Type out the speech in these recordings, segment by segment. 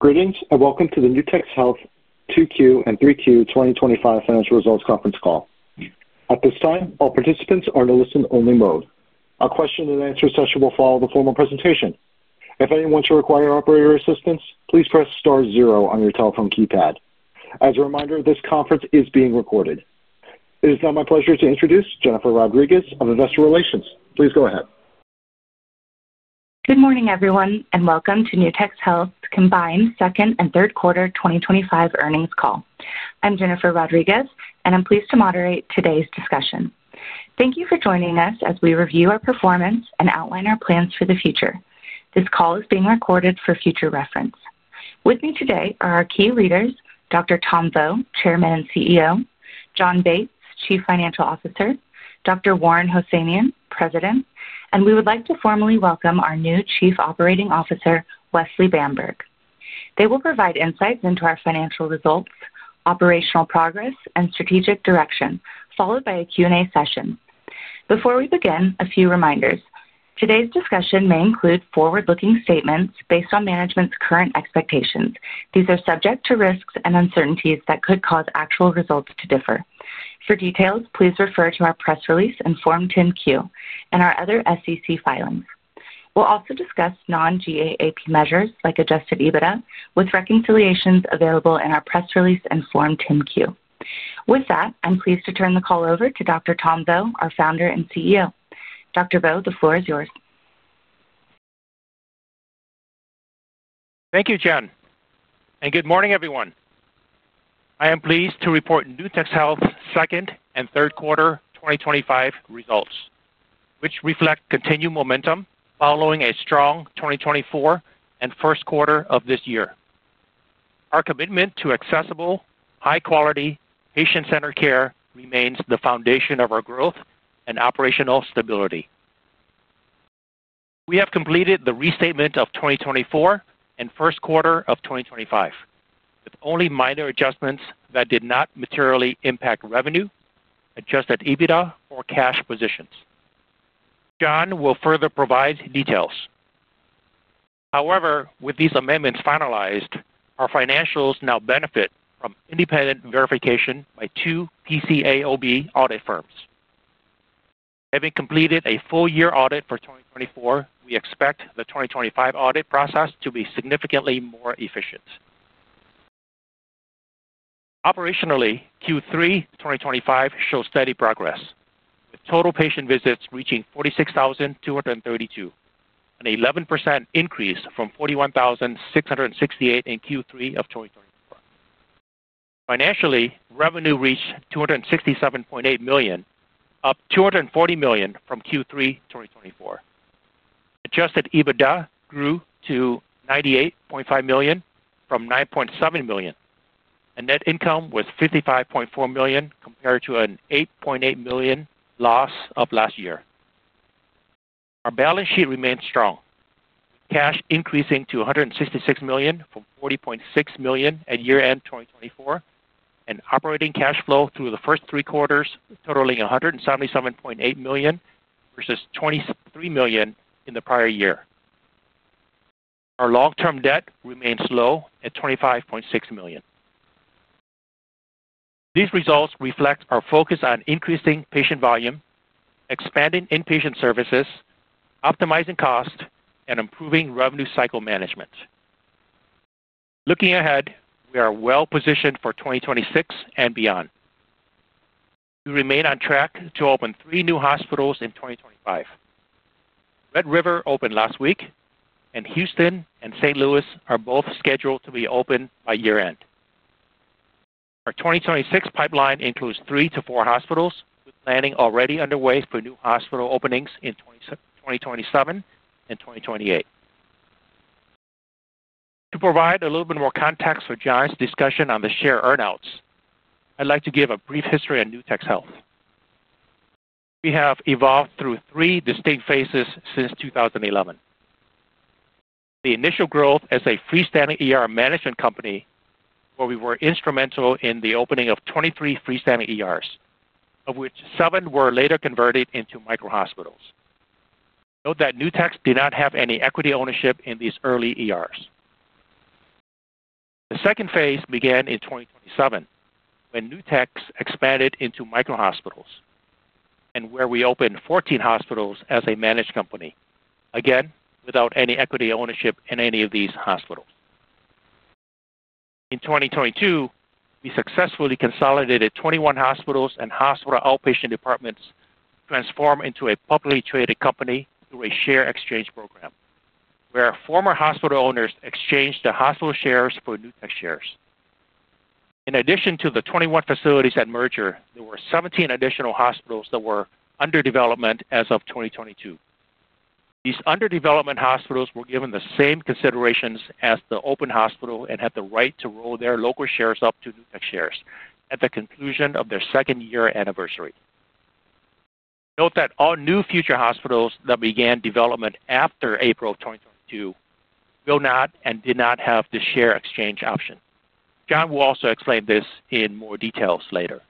Greetings and welcome to the Nutex Health 2Q and 3Q 2025 Financial Results Conference call. At this time, all participants are in a listen-only mode. Our question-and-answer session will follow the formal presentation. If anyone should require operator assistance, please press star zero on your telephone keypad. As a reminder, this conference is being recorded. It is now my pleasure to introduce Jennifer Rodriguez of Investor Relations. Please go ahead. Good morning, everyone, and welcome to Nutex Health's combined second and third quarter 2024 earnings call. I'm Jennifer Rodriguez, and I'm pleased to moderate today's discussion. Thank you for joining us as we review our performance and outline our plans for the future. This call is being recorded for future reference. With me today are our key leaders, Dr. Tom Vo, Chairman and CEO; Jon Bates, Chief Financial Officer; Dr. Warren Hosseinion, President; and we would like to formally welcome our new Chief Operating Officer, Wesley Bamberg. They will provide insights into our financial results, operational progress, and strategic direction, followed by a Q&A session. Before we begin, a few reminders. Today's discussion may include forward-looking statements based on management's current expectations. These are subject to risks and uncertainties that could cause actual results to differ. For details, please refer to our press release and Form 10-Q and our other SEC filings. We'll also discuss non-GAAP measures like Adjusted EBITDA, with reconciliations available in our press release and Form 10-Q. With that, I'm pleased to turn the call over to Dr. Tom Vo, our Founder and CEO. Dr. Vo, the floor is yours. Thank you, Jen, and good morning, everyone. I am pleased to report Nutex Health's second and third quarter 2025 results, which reflect continued momentum following a strong 2024 and first quarter of this year. Our commitment to accessible, high-quality, patient-centered care remains the foundation of our growth and operational stability. We have completed the restatement of 2024 and first quarter of 2025, with only minor adjustments that did not materially impact revenue, adjusted EBITDA, or cash positions. Jon will further provide details. However, with these amendments finalized, our financials now benefit from independent verification by two PCAOB audit firms. Having completed a full-year audit for 2024, we expect the 2025 audit process to be significantly more efficient. Operationally, Q3 2025 shows steady progress, with total patient visits reaching 46,232, an 11% increase from 41,668 in Q3 of 2024. Financially, revenue reached $267.8 million, up $240 million from Q3 2024. Adjusted EBITDA grew to $98.5 million from $9.7 million, and net income was $55.4 million compared to an $8.8 million loss of last year. Our balance sheet remains strong, with cash increasing to $166 million from $40.6 million at year-end 2024, and operating cash flow through the first three quarters totaling $177.8 million versus $23 million in the prior year. Our long-term debt remains low at $25.6 million. These results reflect our focus on increasing patient volume, expanding inpatient services, optimizing cost, and improving revenue cycle management. Looking ahead, we are well-positioned for 2026 and beyond. We remain on track to open three new hospitals in 2025. Red River opened last week, and Houston and St. Louis are both scheduled to be open by year-end. Our 2026 pipeline includes three to four hospitals, with planning already underway for new hospital openings in 2027 and 2028. To provide a little bit more context for Jon's discussion on the share earnouts, I'd like to give a brief history of Nutex Health. We have evolved through three distinct phases since 2011. The initial growth as a freestanding management company where we were instrumental in the opening of 23 freestanding ERs, of which seven were later converted into micro-hospitals. Note that Nutex did not have any equity ownership in these early ERs. The second phase began in 2017 when Nutex expanded into micro-hospitals and where we opened 14 hospitals as a managed company, again without any equity ownership in any of these hospitals. In 2022, we successfully consolidated 21 hospitals and hospital outpatient departments transformed into a publicly traded company through a share exchange program, where former hospital owners exchanged the hospital shares for Nutex shares. In addition to the 21 facilities at merger, there were 17 additional hospitals that were under development as of 2022. These under development hospitals were given the same considerations as the open hospital and had the right to roll their local shares up to Nutex shares at the conclusion of their second year anniversary. Note that all new future hospitals that began development after April 2022 will not and did not have the share exchange option. Jon will also explain this in more details later.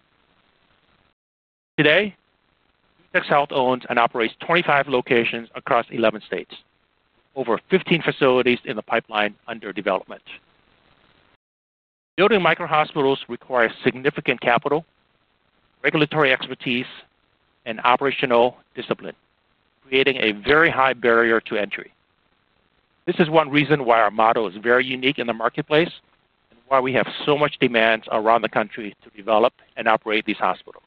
Today, Nutex Health owns and operates 25 locations across 11 states, over 15 facilities in the pipeline under development. Building micro-hospitals requires significant capital, regulatory expertise, and operational discipline, creating a very high barrier to entry. This is one reason why our model is very unique in the marketplace and why we have so much demand around the country to develop and operate these hospitals.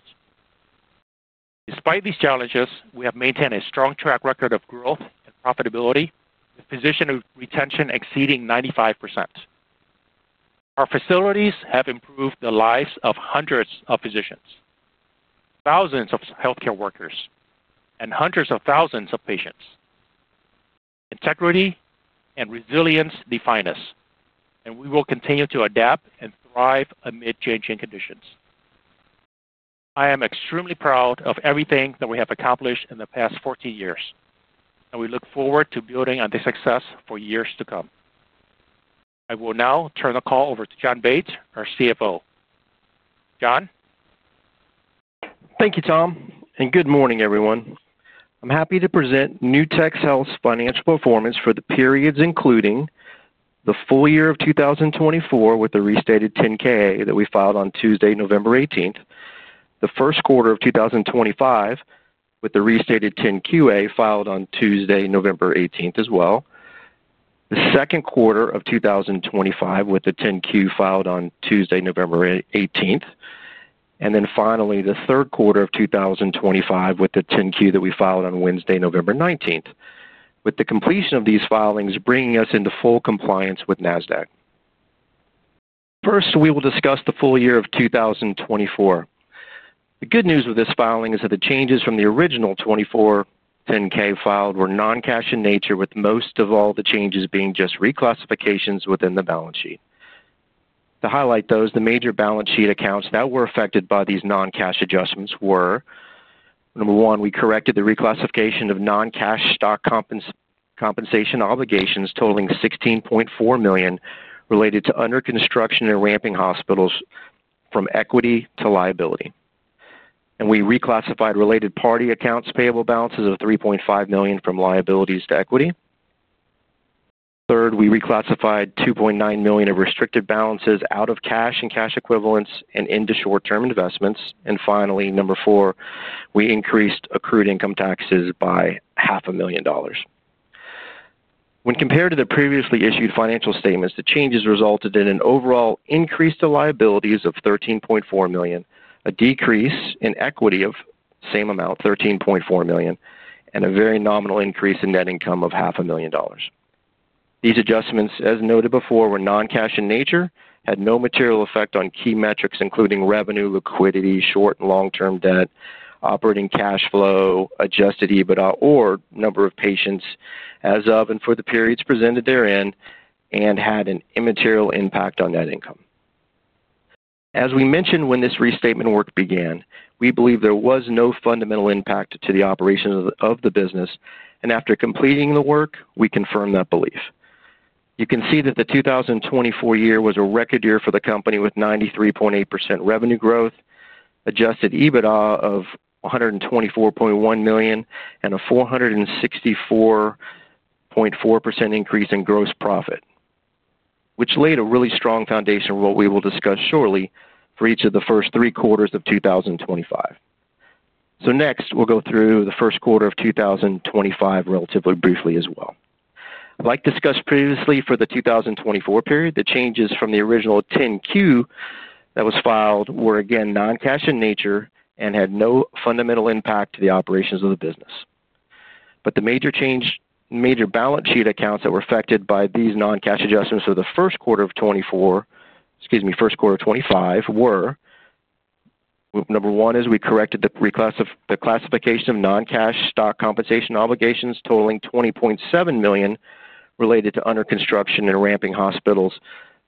Despite these challenges, we have maintained a strong track record of growth and profitability, with physician retention exceeding 95%. Our facilities have improved the lives of hundreds of physicians, thousands of healthcare workers, and hundreds of thousands of patients. Integrity and resilience define us, and we will continue to adapt and thrive amid changing conditions. I am extremely proud of everything that we have accomplished in the past 14 years, and we look forward to building on this success for years to come. I will now turn the call over to Jon Bates, our CFO. Jon? Thank you, Tom, and good morning, everyone. I'm happy to present Nutex Health's financial performance for the periods including the full year of 2024 with the restated 10-K/A that we filed on Tuesday, November 18, the first quarter of 2025 with the restated 10-Q/A filed on Tuesday, November 18 as well, the second quarter of 2025 with the 10-Q filed on Tuesday, November 18, and then finally the third quarter of 2025 with the 10-Q that we filed on Wednesday, November 19. With the completion of these filings bringing us into full compliance with Nasdaq. First, we will discuss the full year of 2024. The good news with this filing is that the changes from the original 2024 10-K filed were non-cash in nature, with most of all the changes being just reclassifications within the balance sheet. To highlight those, the major balance sheet accounts that were affected by these non-cash adjustments were: number one, we corrected the reclassification of non-cash stock compensation obligations totaling $16.4 million related to under-construction and ramping hospitals from equity to liability. We reclassified related party accounts payable balances of $3.5 million from liabilities to equity. Third, we reclassified $2.9 million of restricted balances out of cash and cash equivalents and into short-term investments. Finally, number four, we increased accrued income taxes by $500,000. When compared to the previously issued financial statements, the changes resulted in an overall increase to liabilities of $13.4 million, a decrease in equity of the same amount, $13.4 million, and a very nominal increase in net income of $500,000. These adjustments, as noted before, were non-cash in nature, had no material effect on key metrics including revenue, liquidity, short and long-term debt, operating cash flow, adjusted EBITDA, or number of patients as of and for the periods presented therein, and had an immaterial impact on net income. As we mentioned when this restatement work began, we believe there was no fundamental impact to the operations of the business, and after completing the work, we confirm that belief. You can see that the 2024 year was a record year for the company with 93.8% revenue growth, adjusted EBITDA of $124.1 million, and a 464.4% increase in gross profit, which laid a really strong foundation for what we will discuss shortly for each of the first three quarters of 2025. Next, we'll go through the first quarter of 2025 relatively briefly as well. Like discussed previously for the 2024 period, the changes from the original 10-Q that was filed were again non-cash in nature and had no fundamental impact to the operations of the business. The major balance sheet accounts that were affected by these non-cash adjustments for the first quarter of 2024, excuse me, first quarter of 2025, were number one is we corrected the classification of non-cash stock compensation obligations totaling $20.7 million related to under-construction and ramping hospitals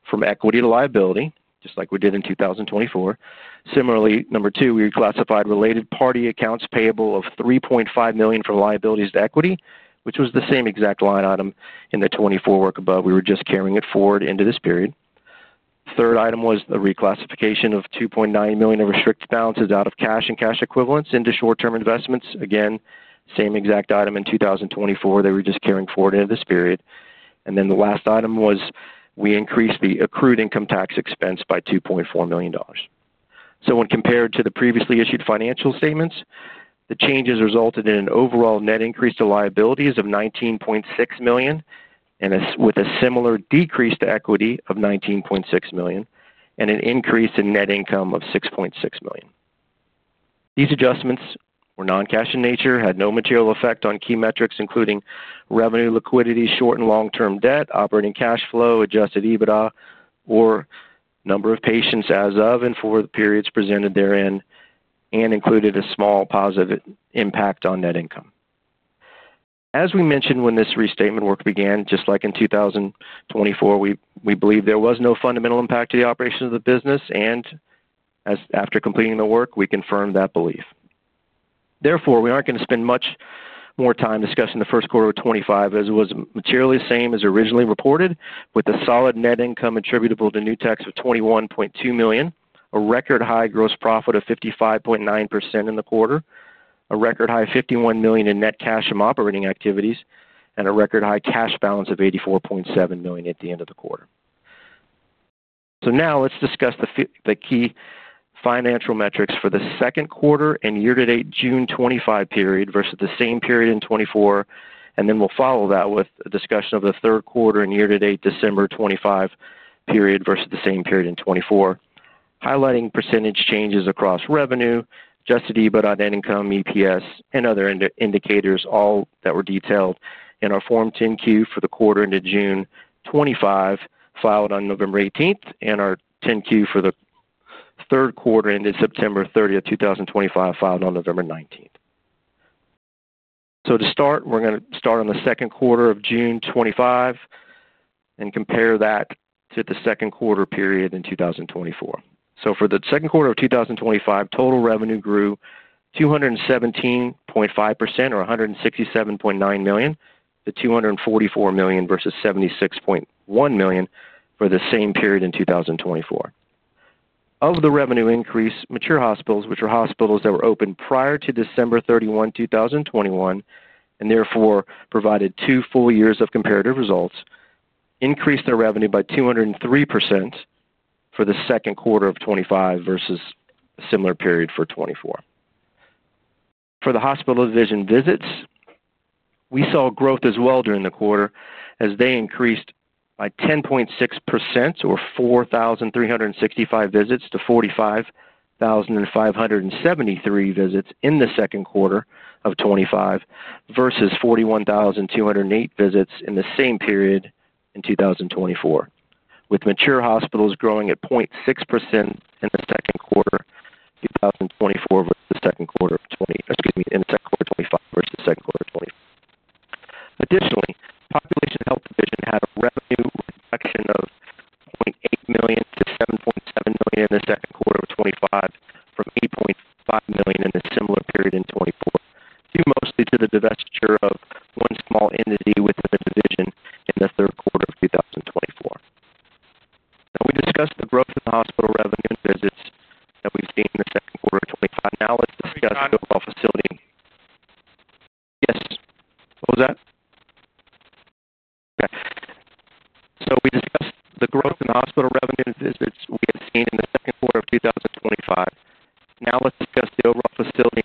from equity to liability, just like we did in 2024. Similarly, number two, we reclassified related party accounts payable of $3.5 million from liabilities to equity, which was the same exact line item in the 2024 work above. We were just carrying it forward into this period. Third item was the reclassification of $2.9 million of restricted balances out of cash and cash equivalents into short-term investments. Again, same exact item in 2024. They were just carrying forward into this period. The last item was we increased the accrued income tax expense by $2.4 million. When compared to the previously issued financial statements, the changes resulted in an overall net increase to liabilities of $19.6 million with a similar decrease to equity of $19.6 million and an increase in net income of $6.6 million. These adjustments were non-cash in nature, had no material effect on key metrics including revenue, liquidity, short and long-term debt, operating cash flow, adjusted EBITDA, or number of patients as of and for the periods presented therein, and included a small positive impact on net income. As we mentioned when this restatement work began, just like in 2024, we believe there was no fundamental impact to the operations of the business, and after completing the work, we confirm that belief. Therefore, we aren't going to spend much more time discussing the first quarter of 2025, as it was materially the same as originally reported, with a solid net income attributable to Nutex of $21.2 million, a record high gross profit of 55.9% in the quarter, a record high of $51 million in net cash from operating activities, and a record high cash balance of $84.7 million at the end of the quarter. Now let's discuss the key financial metrics for the second quarter and year-to-date June 2025 period versus the same period in 2024, and then we'll follow that with a discussion of the third quarter and year-to-date December 2025 period versus the same period in 2024, highlighting percentage changes across revenue, adjusted EBITDA, net income, EPS, and other indicators, all that were detailed in our Form 10-Q for the quarter ended June 2025 filed on November 18 and our 10-Q for the third quarter ended September 30, 2025, filed on November 19. To start, we're going to start on the second quarter of June 2025 and compare that to the second quarter period in 2024. For the second quarter of 2025, total revenue grew 217.5% or $167.9 million to $244 million versus $76.1 million for the same period in 2024. Of the revenue increase, mature hospitals, which are hospitals that were open prior to December 31, 2021, and therefore provided two full years of comparative results, increased their revenue by 203% for the second quarter of 2025 versus a similar period for 2024. For the hospital division visits, we saw growth as well during the quarter as they increased by 10.6% or 4,365 visits to 45,573 visits in the second quarter of 2025 versus 41,208 visits in the same period in 2024, with mature hospitals growing at 0.6% in the second quarter of 2024 versus the second quarter of 2025 versus the second quarter of 2024. Additionally, population health division had a revenue reduction of $0.8 million to $7.7 million in the second quarter of 2025 from $8.5 million in a similar period in 2024, due mostly to the divestiture of one small entity within the division in the third quarter of 2024. Now, we discussed the growth of the hospital revenue and visits that we've seen in the second quarter of 2025. Now, let's discuss the overall facility. Yes. What was that? Okay. So we discussed the growth in the hospital revenue and visits we have seen in the second quarter of 2025. Now, let's discuss the overall facility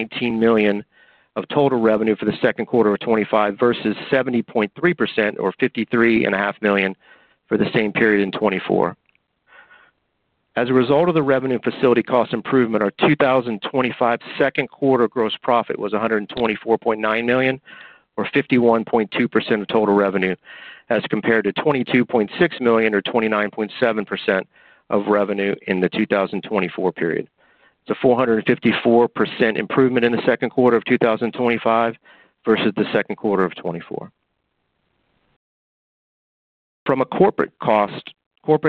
and cost structure and improvements in that area. Total facility level operating costs and expenses represented only 48.8% or $119 million of total revenue for the second quarter of 2025 versus 70.3% or $53.5 million for the same period in 2024. As a result of the revenue and facility cost improvement, our 2025 second quarter gross profit was $124.9 million or 51.2% of total revenue as compared to $22.6 million or 29.7% of revenue in the 2024 period. It's a 454% improvement in the second quarter of 2025 versus the second quarter of 2024. From a corporate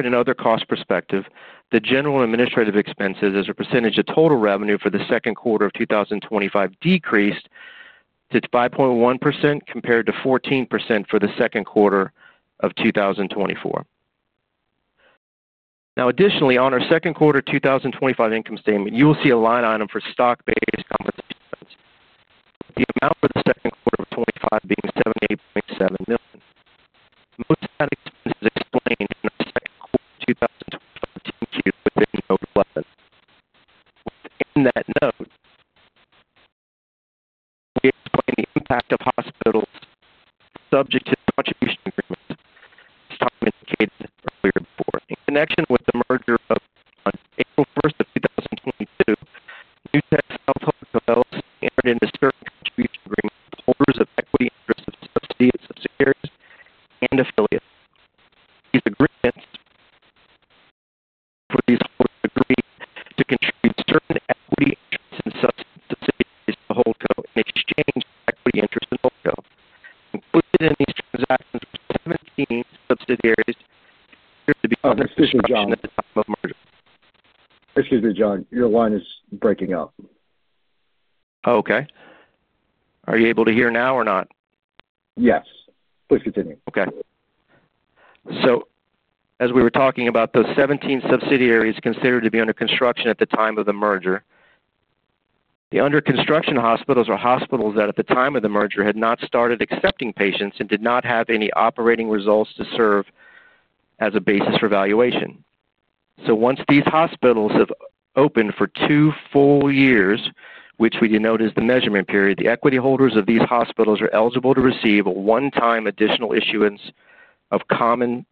and other cost perspective, the general administrative expenses as a percentage of total revenue for the second quarter of 2025 decreased to 5.1% compared to 14% for the second quarter of 2024. Now, additionally, on our second quarter 2025 income statement, you will see a line item for stock-based compensation expenses. The amount for the second quarter of 2025 being $78.7 million, most explained in our second quarter 2025 10-Q within Note 11. In that note, we explained the impact of hospitals subject to the contribution agreement, as Tom indicated earlier before. In connection with the merger of. On April 1 of 2022, Nutex Health entered into certain contribution agreements with holders of equity interests of subsidiaries and affiliates. These agreements were for these holders to agree to contribute certain equity interests and subsidiaries to HoldCo in exchange for equity interests in HoldCo. Included in these transactions were 17 subsidiaries that appeared to be in the position at the time of merger. Excuse me, Jon. Your line is breaking up. Oh, okay. Are you able to hear now or not? Yes. Please continue. Okay. As we were talking about those 17 subsidiaries considered to be under construction at the time of the merger, the under construction hospitals are hospitals that at the time of the merger had not started accepting patients and did not have any operating results to serve as a basis for valuation. Once these hospitals have opened for two full years, which we denote as the measurement period, the equity holders of these hospitals are eligible to receive a one-time additional issuance of company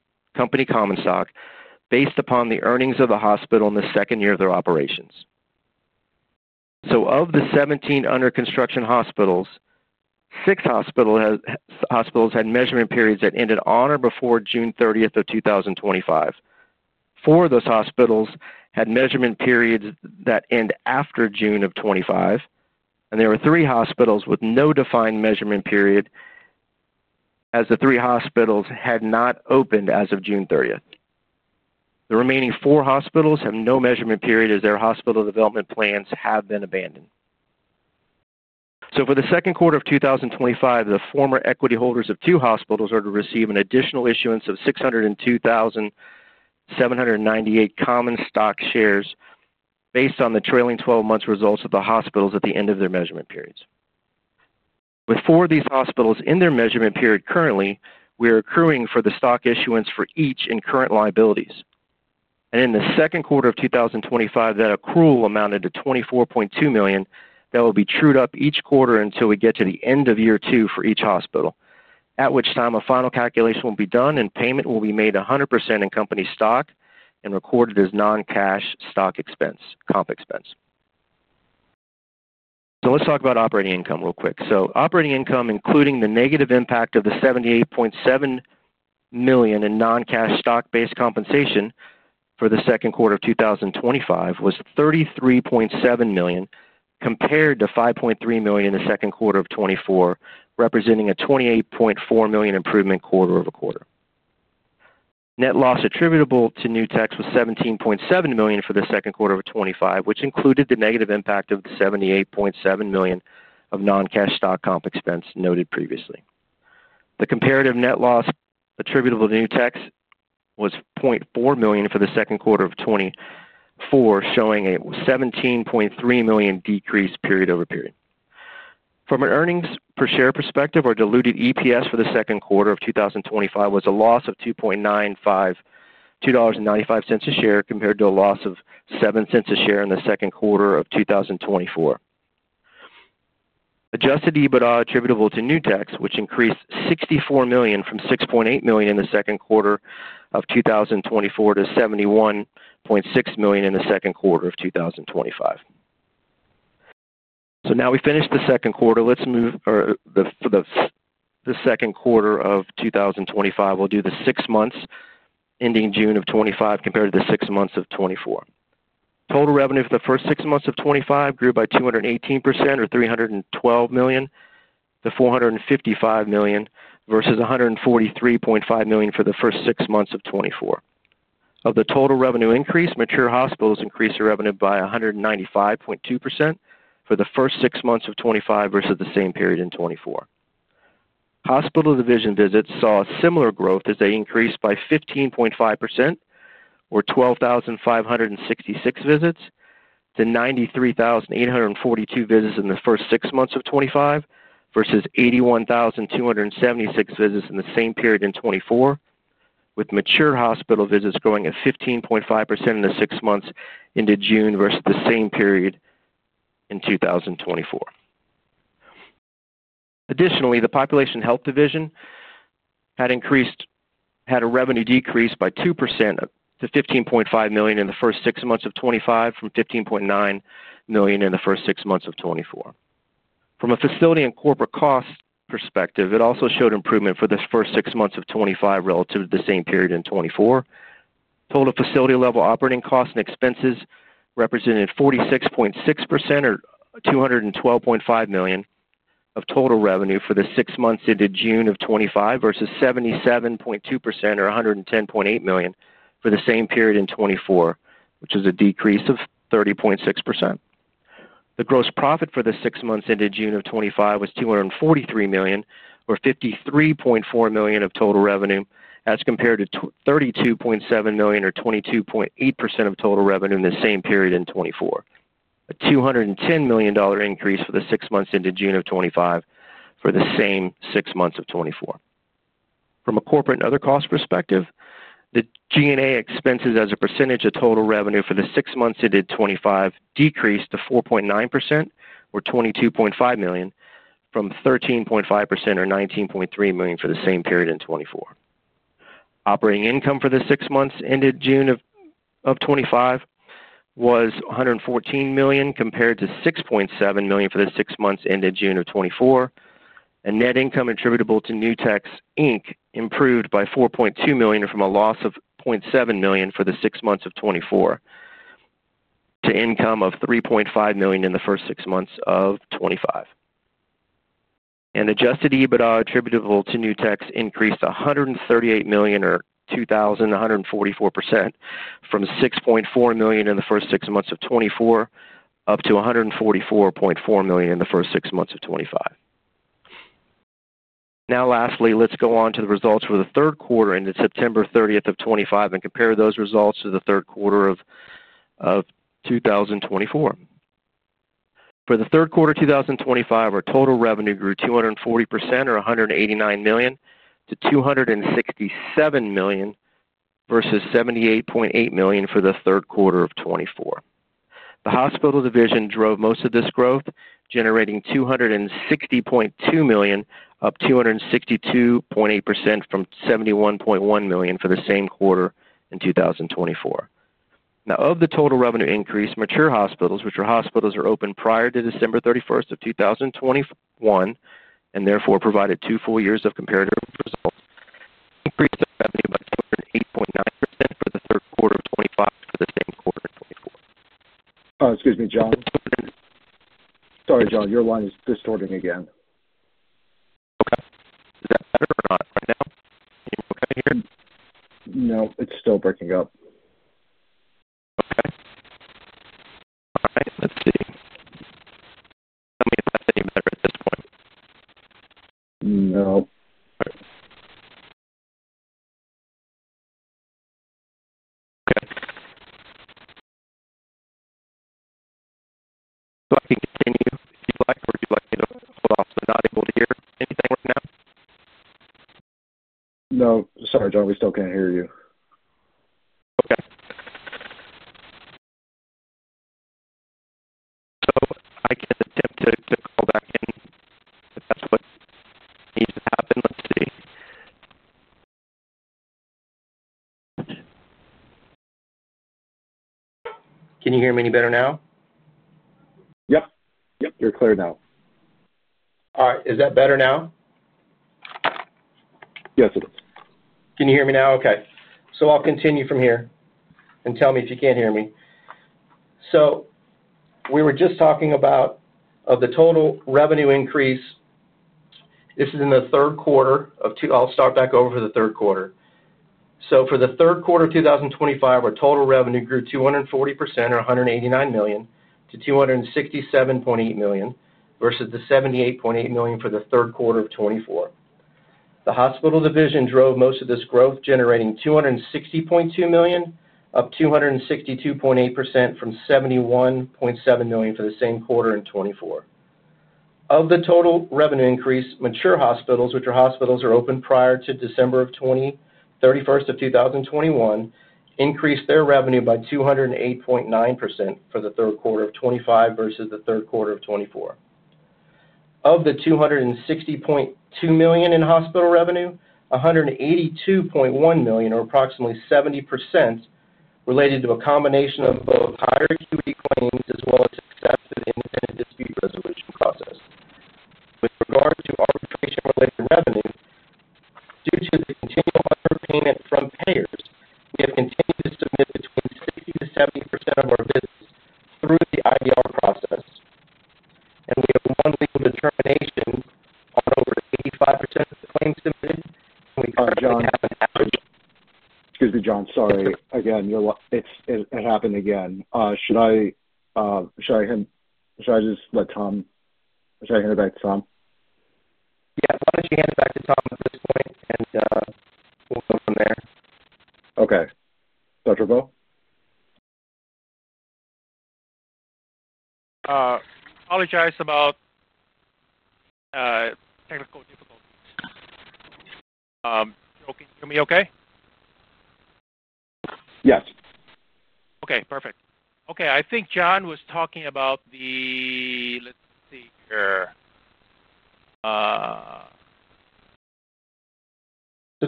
common stock based upon the earnings of the hospital in the second year of their operations. Of the 17 under construction hospitals, six hospitals had measurement periods that ended on or before June 30, 2025. Four of those hospitals had measurement periods that end after June of 2025, and there were three hospitals with no defined measurement period as the three hospitals had not opened as of June 30. The remaining four hospitals have no measurement period as their hospital development plans have been abandoned. For the second quarter of 2025, the former equity holders of two hospitals are to receive an additional issuance of 602,798 common stock shares based on the trailing 12 months' results of the hospitals at the end of their measurement periods. With four of these hospitals in their measurement period currently, we are accruing for the stock issuance for each in current liabilities. In the second quarter of 2025, that accrual amounted to $24.2 million that will be trued up each quarter until we get to the end of year two for each hospital, at which time a final calculation will be done and payment will be made 100% in company stock and recorded as non-cash stock expense, comp expense. Let's talk about operating income real quick. Operating income, including the negative impact of the $78.7 million in non-cash stock-based compensation for the second quarter of 2025, was $33.7 million compared to $5.3 million in the second quarter of 2024, representing a $28.4 million improvement quarter over quarter. Net loss attributable to Nutex was $17.7 million for the second quarter of 2025, which included the negative impact of the $78.7 million of non-cash stock comp expense noted previously. The comparative net loss attributable to Nutex was $0.4 million for the second quarter of 2024, showing a $17.3 million decrease period over period. From an earnings per share perspective, our diluted EPS for the second quarter of 2025 was a loss of $2.95, $2.95 a share compared to a loss of $0.07 a share in the second quarter of 2024. Adjusted EBITDA attributable to Nutex, which increased $64 million from $6.8 million in the second quarter of 2024 to $71.6 million in the second quarter of 2025. Now we finished the second quarter. Let's move for the second quarter of 2025. We'll do the six months ending June of 2025 compared to the six months of 2024. Total revenue for the first six months of 2025 grew by 218% or $312 million to $455 million versus $143.5 million for the first six months of 2024. Of the total revenue increase, mature hospitals increased their revenue by 195.2% for the first six months of 2025 versus the same period in 2024. Hospital division visits saw a similar growth as they increased by 15.5% or 12,566 visits to 93,842 visits in the first six months of 2025 versus 81,276 visits in the same period in 2024, with mature hospital visits growing at 15.5% in the six months into June versus the same period in 2024. Additionally, the population health division had a revenue decrease by 2% to $15.5 million in the first six months of 2025 from $15.9 million in the first six months of 2024. From a facility and corporate cost perspective, it also showed improvement for the first six months of 2025 relative to the same period in 2024. Total facility level operating costs and expenses represented 46.6% or $212.5 million of total revenue for the six months into June of 2025 versus 77.2% or $110.8 million for the same period in 2024, which was a decrease of 30.6%. The gross profit for the six months into June of 2025 was $243 million or 53.4% of total revenue as compared to $32.7 million or 22.8% of total revenue in the same period in 2024, a $210 million increase for the six months into June of 2025 for the same six months of 2024. From a corporate and other cost perspective, the G&A expenses as a percentage of total revenue for the six months into 2025 decreased to 4.9% or $22.5 million from 13.5% or $19.3 million for the same period in 2024. Operating income for the six months ended June of 2025 was $114 million compared to $6.7 million for the six months ended June of 2024. Net income attributable to Nutex improved by $4.2 million from a loss of $0.7 million for the six months of 2024 to income of $3.5 million in the first six months of 2025. Adjusted EBITDA attributable to Nutex increased $138 million or 2,144% from $6.4 million in the first six months of 2024 up to $144.4 million in the first six months of 2025. Now, lastly, let's go on to the results for the third quarter ended September 30 of 2025 and compare those results to the third quarter of 2024. For the third quarter 2025, our total revenue grew 240% or $189 million to $267 million versus $78.8 million for the third quarter of 2024. The hospital division drove most of this growth, generating $260.2 million, up 262.8% from $71.1 million for the same quarter in 2024. Now, of the total revenue increase, mature hospitals, which are hospitals that are open prior to December 31, 2021 and therefore provided two full years of comparative results, increased their revenue by 208.9% for the third quarter of 2025 for the same quarter in 2024. Excuse me, Jon. Sorry, Jon. Your line is distorting again. Okay. Is that better or not right now? Can you hear me? No, it's still breaking up. Okay. All right. Let's see. Tell me if that's any better at this point. No. Okay. I can continue if you'd like, or would you like me to hold off? I'm not able to hear anything right now. No. Sorry, Jon. We still can't hear you. Okay. I can attempt to call back in if that's what needs to happen. Let's see. Can you hear me any better now? Yep. Yep. You're clear now. All right. Is that better now? Yes, it is. Can you hear me now? Okay. I'll continue from here and tell me if you can't hear me. We were just talking about the total revenue increase. This is in the third quarter of—I'll start back over for the third quarter. For the third quarter of 2025, our total revenue grew 240% or $189 million to $267.8 million versus the $78.8 million for the third quarter of 2024. The hospital division drove most of this growth, generating $260.2 million, up 262.8% from $71.7 million for the same quarter in 2024. Of the total revenue increase, mature hospitals, which are hospitals that are open prior to December 31, 2021, increased their revenue by 208.9% for the third quarter of 2025 versus the third quarter of 2024. Of the $260.2 million in hospital revenue, $182.1 million or approximately 70% related to a combination of both higher acuity claims as well Independent Dispute Resolution process. with regard to arbitration-related revenue, due to the continual underpayment from payers, we have continued to submit between 60-70% of our visits through the IDR process. We have a monthly determination on over 85% of the claims submitted, and we currently have an average— Excuse me, Jon. Sorry. Again, it happened again. Should I just let Tom—should I hand it back to Tom? Yeah. Why don't you hand it back to Tom at this point, and we'll go from there? Okay. Dr. Vo? Apologize about technical difficulties. Joe, can you hear me okay? Yes. Okay. Perfect. Okay. I think Jon was talking about the—let's see here.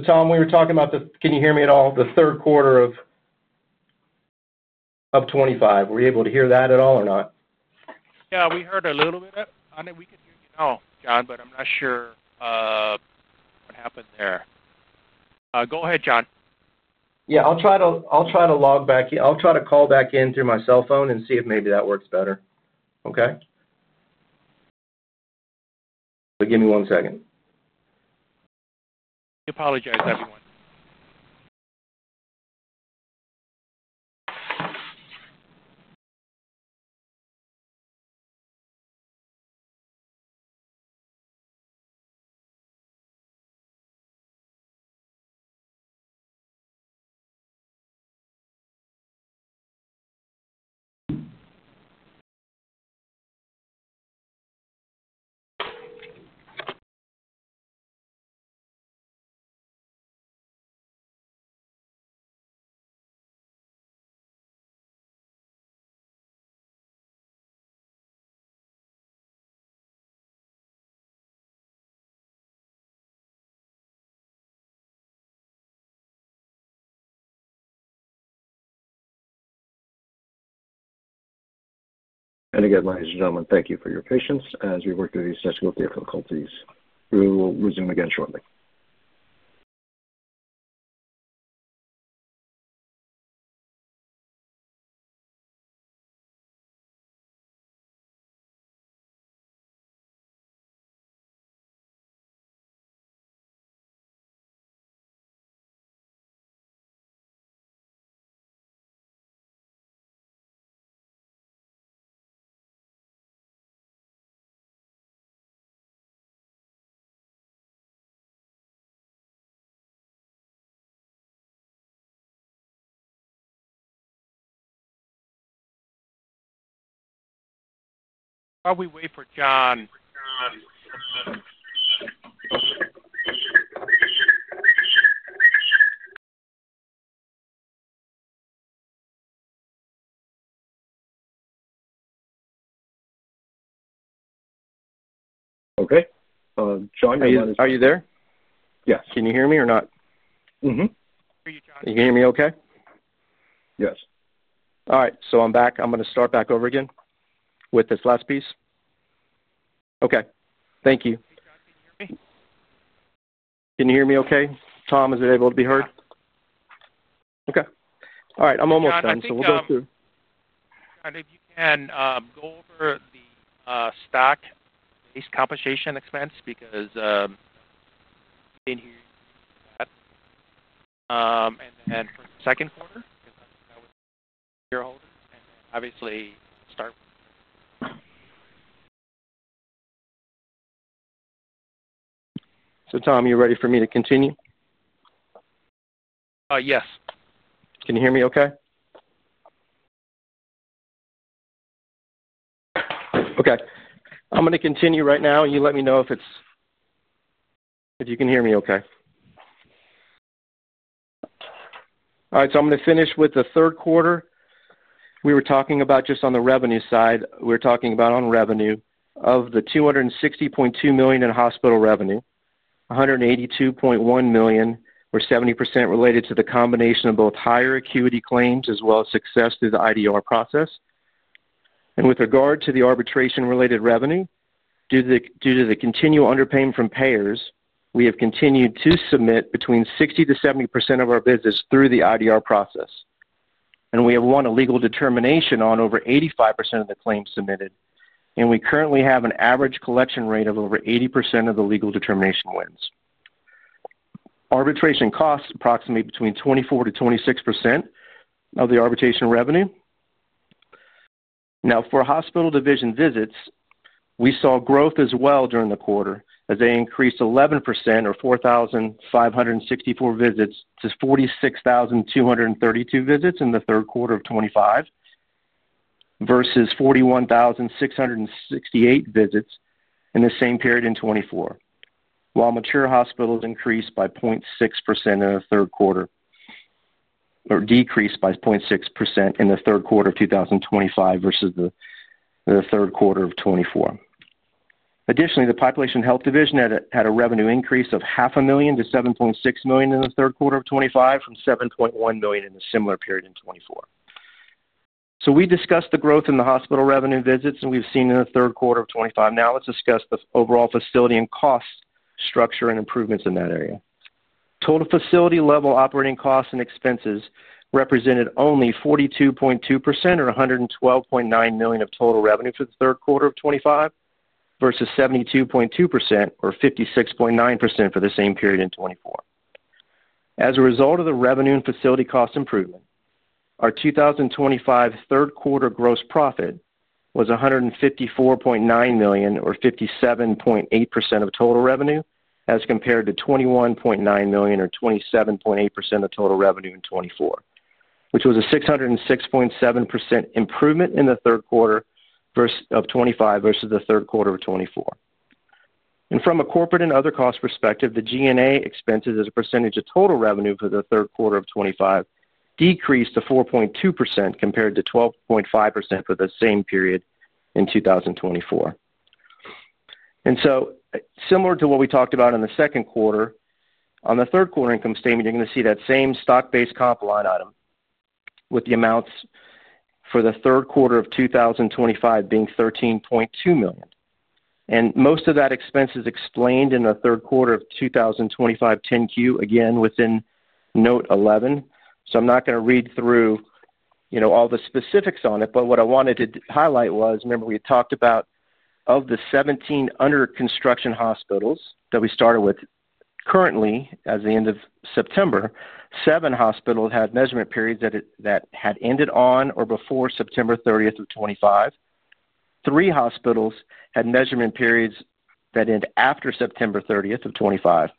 Tom, we were talking about the—can you hear me at all? The third quarter of 2025. Were you able to hear that at all or not? Yeah. We heard a little bit. We could hear you now, Jon, but I'm not sure what happened there. Go ahead, Jon. Yeah. I'll try to log back in. I'll try to call back in through my cell phone and see if maybe that works better. Okay? Give me one second. We apologize, everyone. Ladies and gentlemen, thank you for your patience as we worked through these technical difficulties. We will resume again shortly. While we wait for Jon. Okay. Jon, are you on? Are you there? Yes. Can you hear me or not? Mm-hmm. Can you hear me okay? Yes. All right. I'm back. I'm going to start back over again with this last piece. Okay. Thank you. Can you hear me? Can you hear me okay? Tom, is it able to be heard? Okay. All right. I'm almost done, so we'll go through. Jon, if you can go over the stock-based compensation expense because we did not hear you that. And then for the second quarter, because that is when that was shareholders, and then obviously start with. Tom, you ready for me to continue? Yes. Can you hear me okay? Okay. I'm going to continue right now. You let me know if you can hear me okay. All right. I'm going to finish with the third quarter. We were talking about just on the revenue side. We were talking about on revenue of the $260.2 million in hospital revenue, $182.1 million or 70% related to the combination of both higher acuity claims as well as success through the IDR process. With regard to the arbitration-related revenue, due to the continual underpayment from payers, we have continued to submit between 60-70% of our visits through the IDR process. We have won a legal determination on over 85% of the claims submitted. We currently have an average collection rate of over 80% of the legal determination wins. Arbitration costs approximate between 24-26% of the arbitration revenue. Now, for hospital division visits, we saw growth as well during the quarter as they increased 11% or 4,564 visits to 46,232 visits in the third quarter of 2025 versus 41,668 visits in the same period in 2024, while mature hospitals increased by 0.6% in the third quarter or decreased by 0.6% in the third quarter of 2025 versus the third quarter of 2024. Additionally, the population health division had a revenue increase of $500,000 to $7.6 million in the third quarter of 2025 from $7.1 million in a similar period in 2024. We discussed the growth in the hospital revenue visits that we've seen in the third quarter of 2025. Now, let's discuss the overall facility and cost structure and improvements in that area. Total facility-level operating costs and expenses represented only 42.2% or $112.9 million of total revenue for the third quarter of 2025 versus 72.2% or $56.9 million for the same period in 2024. As a result of the revenue and facility cost improvement, our 2025 third quarter gross profit was $154.9 million or 57.8% of total revenue as compared to $21.9 million or 27.8% of total revenue in 2024, which was a 606.7% improvement in the third quarter of 2025 versus the third quarter of 2024. From a corporate and other cost perspective, the G&A expenses as a percentage of total revenue for the third quarter of 2025 decreased to 4.2% compared to 12.5% for the same period in 2024. Similar to what we talked about in the second quarter, on the third quarter income statement, you're going to see that same stock-based comp line item with the amounts for the third quarter of 2025 being $13.2 million. Most of that expense is explained in the third quarter of 2025 10-Q, again within Note 11. I'm not going to read through all the specifics on it, but what I wanted to highlight was, remember we had talked about of the 17 under-construction hospitals that we started with currently as the end of September, seven hospitals had measurement periods that had ended on or before September 30, 2025. Three hospitals had measurement periods that ended after September 30, 2025.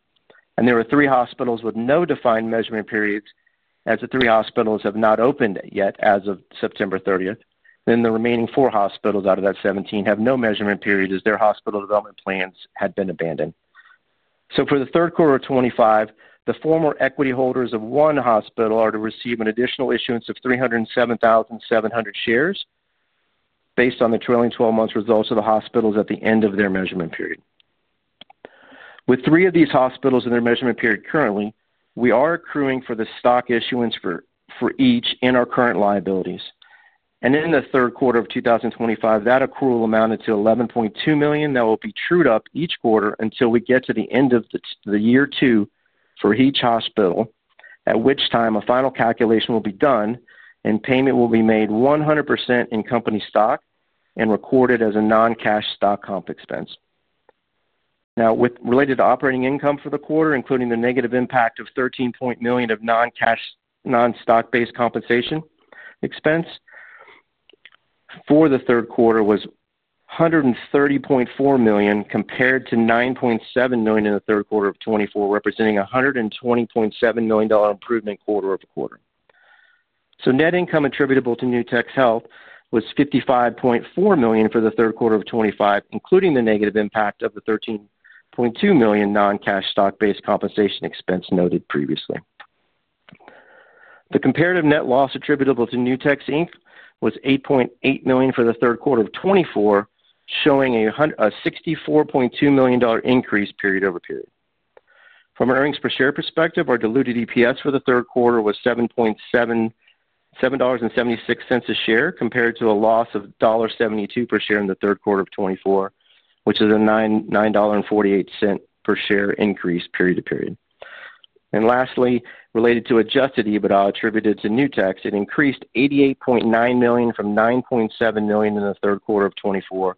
There were three hospitals with no defined measurement periods as the three hospitals have not opened yet as of September 30. The remaining four hospitals out of that 17 have no measurement period as their hospital development plans had been abandoned. For the third quarter of 2025, the former equity holders of one hospital are to receive an additional issuance of 307,700 shares based on the trailing 12-month results of the hospitals at the end of their measurement period. With three of these hospitals in their measurement period currently, we are accruing for the stock issuance for each in our current liabilities. In the third quarter of 2025, that accrual amounted to $11.2 million that will be trued up each quarter until we get to the end of the year two for each hospital, at which time a final calculation will be done and payment will be made 100% in company stock and recorded as a non-cash stock comp expense. Now, related to operating income for the quarter, including the negative impact of $13.1 million of non-stock-based compensation expense for the third quarter, was $130.4 million compared to $9.7 million in the third quarter of 2024, representing a $120.7 million improvement quarter over quarter. Net income attributable to Nutex Health was $55.4 million for the third quarter of 2025, including the negative impact of the $13.2 million non-cash stock-based compensation expense noted previously. The comparative net loss attributable to Nutex Health was $8.8 million for the third quarter of 2024, showing a $64.2 million increase period over period. From an earnings-per-share perspective, our diluted EPS for the third quarter was $7.76 a share compared to a loss of $1.72 per share in the third quarter of 2024, which is a $9.48 per share increase period to period. Lastly, related to adjusted EBITDA attributed to Nutex, it increased $88.9 million from $9.7 million in the third quarter of 2024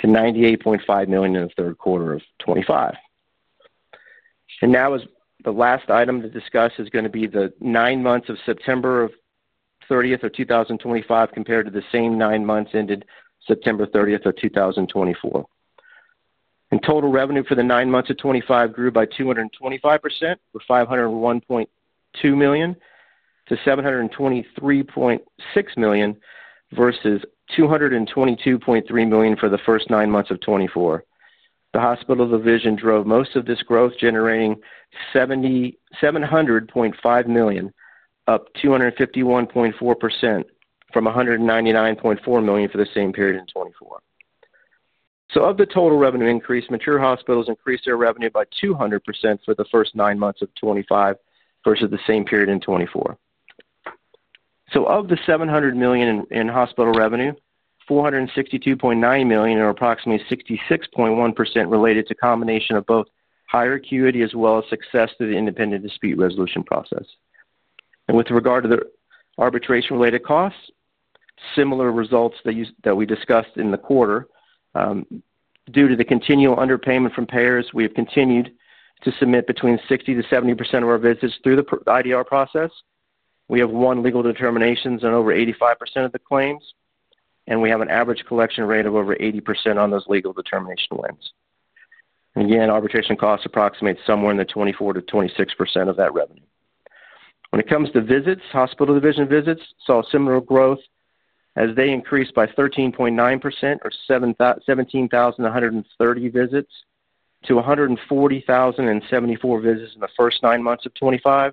to $98.5 million in the third quarter of 2025. The last item to discuss is going to be the nine months of September 30th of 2025 compared to the same nine months ended September 30th of 2024. Total revenue for the nine months of 2025 grew by 225%, with $501.2 million to $723.6 million versus $222.3 million for the first nine months of 2024. The hospital division drove most of this growth, generating $700.5 million, up 251.4% from $199.4 million for the same period in 2024. Of the total revenue increase, mature hospitals increased their revenue by 200% for the first nine months of 2025 versus the same period in 2024. Of the $700 million in hospital revenue, $462.9 million or approximately 66.1% related to a combination of both higher acuity as well as success Independent Dispute Resolution process. with regard to the arbitration-related costs, similar results that we discussed in the quarter. Due to the continual underpayment from payers, we have continued to submit between 60-70% of our visits through the IDR process. We have won legal determinations on over 85% of the claims, and we have an average collection rate of over 80% on those legal determination wins. Arbitration costs approximate somewhere in the 24-26% of that revenue. When it comes to visits, hospital division visits saw similar growth as they increased by 13.9% or 17,130 visits to 140,074 visits in the first nine months of 2025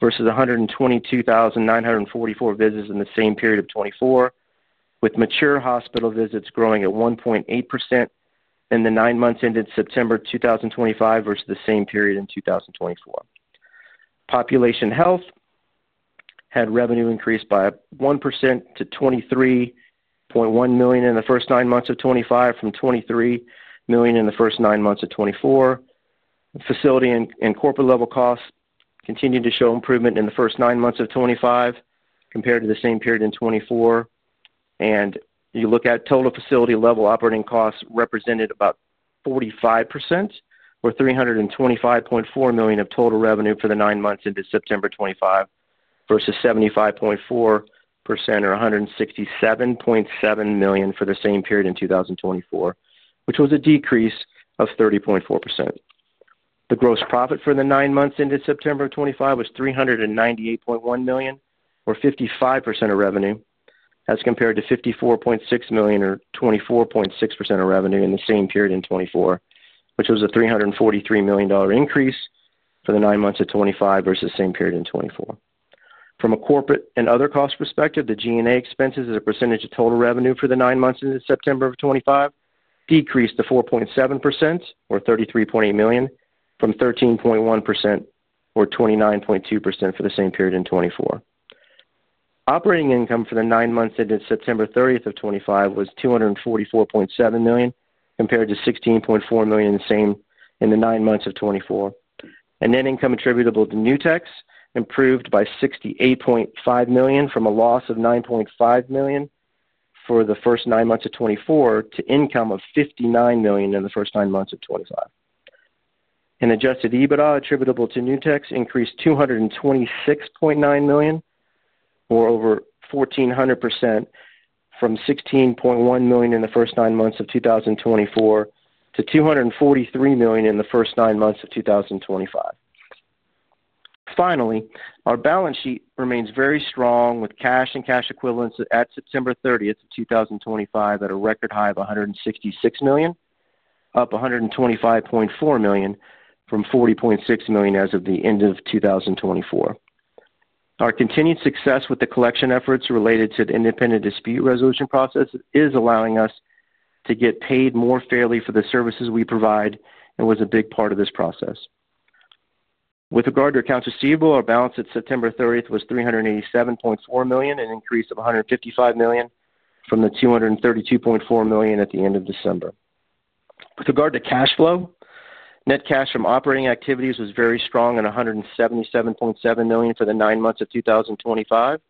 versus 122,944 visits in the same period of 2024, with mature hospital visits growing at 1.8% in the nine months ended September 2025 versus the same period in 2024. Population health had revenue increased by 1% to $23.1 million in the first nine months of 2025 from $23 million in the first nine months of 2024. Facility and corporate-level costs continued to show improvement in the first nine months of 2025 compared to the same period in 2024. Total facility-level operating costs represented about 45% or $325.4 million of total revenue for the nine months into September 2025 versus 75.4% or $167.7 million for the same period in 2024, which was a decrease of 30.4%. The gross profit for the nine months ended September of 2025 was $398.1 million or 55% of revenue as compared to $54.6 million or 24.6% of revenue in the same period in 2024, which was a $343 million increase for the nine months of 2025 versus the same period in 2024. From a corporate and other cost perspective, the G&A expenses as a percentage of total revenue for the nine months ended September of 2025 decreased to 4.7% or $33.8 million from 13.1% or $29.2 million for the same period in 2024. Operating income for the nine months ended September 30 of 2025 was $244.7 million compared to $16.4 million in the nine months of 2024. Net income attributable to Nutex improved by $68.5 million from a loss of $9.5 million for the first nine months of 2024 to income of $59 million in the first nine months of 2025. Adjusted EBITDA attributable to Nutex increased $226.9 million or over 1,400% from $16.1 million in the first nine months of 2024 to $243 million in the first nine months of 2025. Finally, our balance sheet remains very strong with cash and cash equivalents at September 30, 2025 at a record high of $166 million, up $125.4 million from $40.6 million as of the end of 2024. Our continued success with the collection efforts related Independent Dispute Resolution process is allowing us to get paid more fairly for the services we provide and was a big part of this process. With regard to accounts receivable, our balance at September 30 was $387.4 million, an increase of $155 million from the $232.4 million at the end of December. With regard to cash flow, net cash from operating activities was very strong at $177.7 million for the nine months of 2025,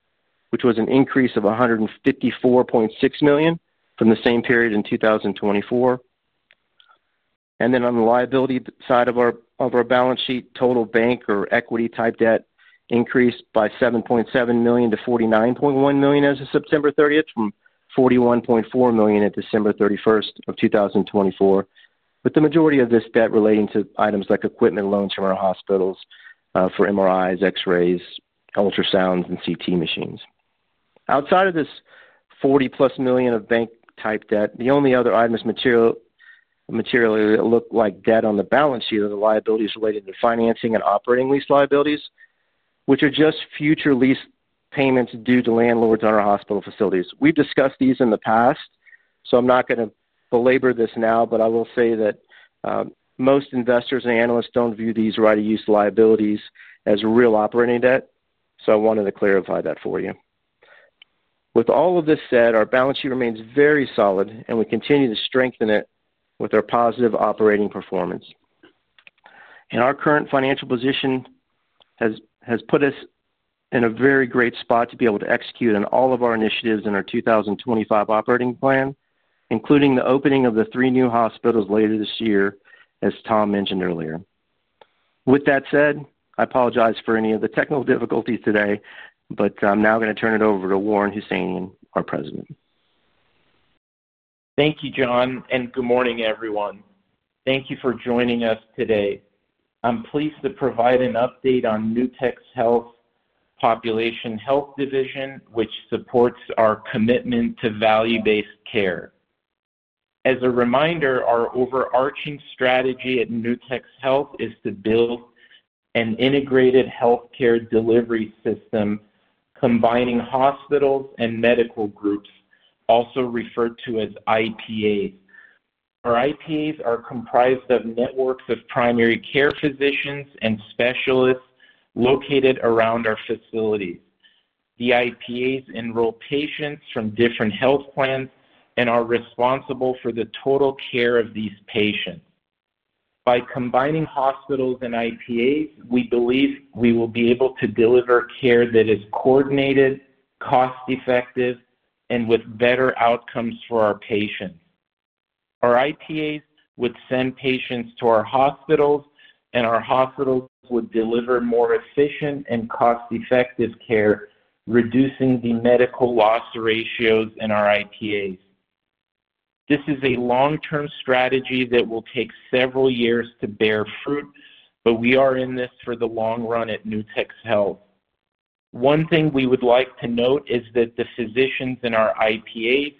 which was an increase of $154.6 million from the same period in 2024. On the liability side of our balance sheet, total bank or equity-type debt increased by $7.7 million to $49.1 million as of September 30 from $41.4 million at December 31, 2024, with the majority of this debt relating to items like equipment loans from our hospitals for MRIs, X-rays, ultrasounds, and CT machines. Outside of this $40-plus million of bank-type debt, the only other items materially that look like debt on the balance sheet are the liabilities related to financing and operating lease liabilities, which are just future lease payments due to landlords on our hospital facilities. We've discussed these in the past, so I'm not going to belabor this now. I will say that most investors and analysts don't view these right-of-use liabilities as real operating debt, so I wanted to clarify that for you. With all of this said, our balance sheet remains very solid, and we continue to strengthen it with our positive operating performance. Our current financial position has put us in a very great spot to be able to execute on all of our initiatives in our 2025 operating plan, including the opening of the three new hospitals later this year, as Tom mentioned earlier. With that said, I apologize for any of the technical difficulties today, but I'm now going to turn it over to Warren Hosseinion, our President. Thank you, Jon, and good morning, everyone. Thank you for joining us today. I'm pleased to provide an update on Nutex Health's population health division, which supports our commitment to value-based care. As a reminder, our overarching strategy at Nutex Health is to build an integrated healthcare delivery system combining hospitals and medical groups, also referred to as IPAs. Our IPAs are comprised of networks of primary care physicians and specialists located around our facilities. The IPAs enroll patients from different health plans and are responsible for the total care of these patients. By combining hospitals and IPAs, we believe we will be able to deliver care that is coordinated, cost-effective, and with better outcomes for our patients. Our IPAs would send patients to our hospitals, and our hospitals would deliver more efficient and cost-effective care, reducing the medical loss ratios in our IPAs. This is a long-term strategy that will take several years to bear fruit, but we are in this for the long run at Nutex Health. One thing we would like to note is that the physicians in our IPAs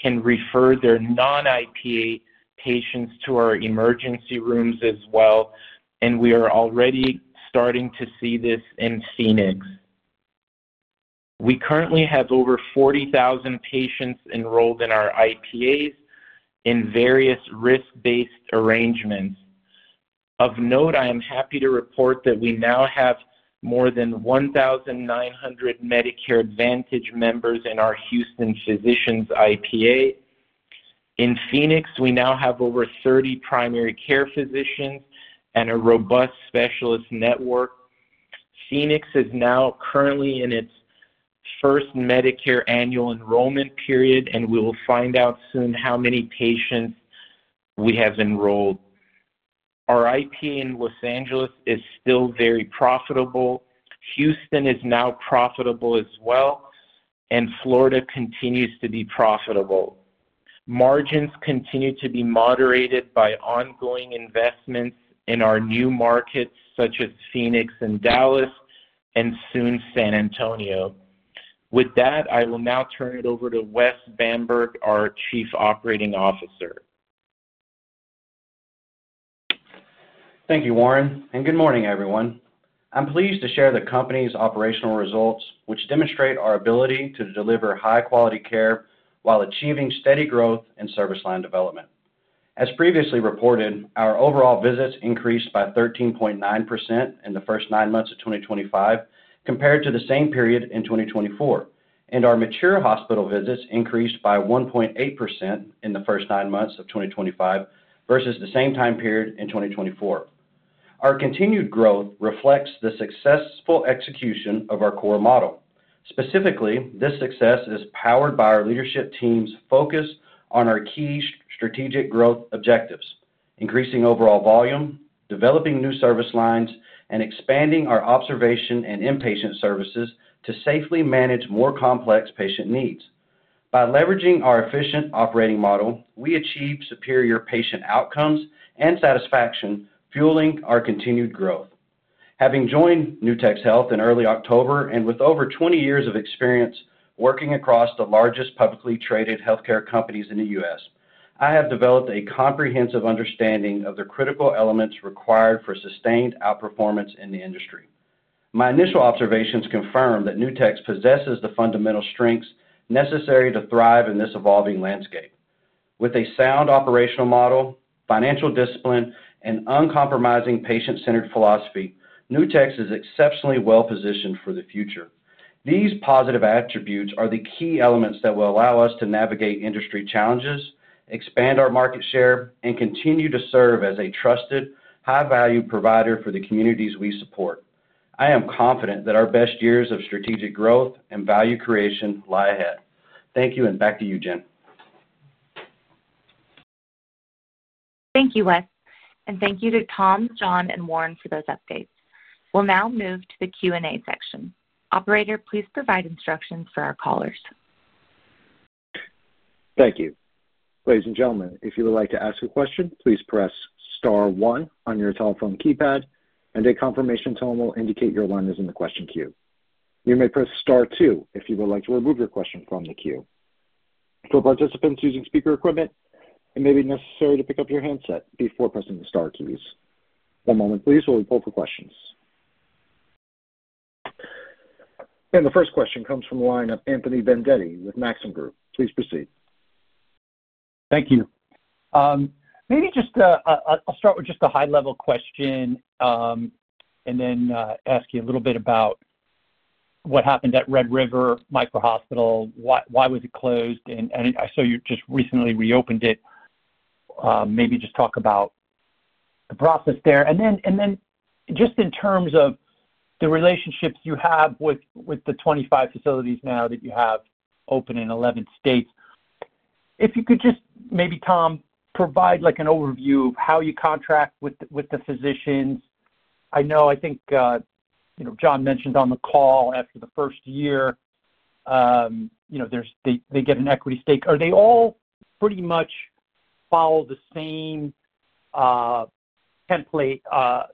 can refer their non-IPA patients to our emergency rooms as well, and we are already starting to see this in Phoenix. We currently have over 40,000 patients enrolled in our IPAs in various risk-based arrangements. Of note, I am happy to report that we now have more than 1,900 Medicare Advantage members in our Houston Physicians IPA. In Phoenix, we now have over 30 primary care physicians and a robust specialist network. Phoenix is now currently in its first Medicare annual enrollment period, and we will find out soon how many patients we have enrolled. Our IPA in Los Angeles is still very profitable. Houston is now profitable as well, and Florida continues to be profitable. Margins continue to be moderated by ongoing investments in our new markets such as Phoenix and Dallas, and soon San Antonio. With that, I will now turn it over to Wes Bamberg, our Chief Operating Officer. Thank you, Warren, and good morning, everyone. I'm pleased to share the company's operational results, which demonstrate our ability to deliver high-quality care while achieving steady growth in service line development. As previously reported, our overall visits increased by 13.9% in the first nine months of 2025 compared to the same period in 2024, and our mature hospital visits increased by 1.8% in the first nine months of 2025 versus the same time period in 2024. Our continued growth reflects the successful execution of our core model. Specifically, this success is powered by our leadership team's focus on our key strategic growth objectives: increasing overall volume, developing new service lines, and expanding our observation and inpatient services to safely manage more complex patient needs. By leveraging our efficient operating model, we achieve superior patient outcomes and satisfaction, fueling our continued growth. Having joined Nutex Health in early October and with over 20 years of experience working across the largest publicly traded healthcare companies in the U.S., I have developed a comprehensive understanding of the critical elements required for sustained outperformance in the industry. My initial observations confirm that Nutex possesses the fundamental strengths necessary to thrive in this evolving landscape. With a sound operational model, financial discipline, and uncompromising patient-centered philosophy, Nutex is exceptionally well-positioned for the future. These positive attributes are the key elements that will allow us to navigate industry challenges, expand our market share, and continue to serve as a trusted, high-value provider for the communities we support. I am confident that our best years of strategic growth and value creation lie ahead. Thank you, and back to you, Jen. Thank you, Wes. Thank you to Tom, Jon, and Warren for those updates. We'll now move to the Q&A section. Operator, please provide instructions for our callers. Thank you. Ladies and gentlemen, if you would like to ask a question, please press Star 1 on your telephone keypad, and a confirmation tone will indicate your line is in the question Q. You may press Star 2 if you would like to remove your question from the Q. For participants using speaker equipment, it may be necessary to pick up your handset before pressing the Star keys. One moment, please, while we pull up the questions. The first question comes from the line of Anthony Vendetti with Maxim Group. Please proceed. Thank you. Maybe just I'll start with just a high-level question and then ask you a little bit about what happened at Red River Micro Hospital, why was it closed, and I saw you just recently reopened it. Maybe just talk about the process there. Then just in terms of the relationships you have with the 25 facilities now that you have open in 11 states, if you could just maybe, Tom, provide an overview of how you contract with the physicians. I know, I think Jon mentioned on the call after the first year, they get an equity stake. Are they all pretty much follow the same template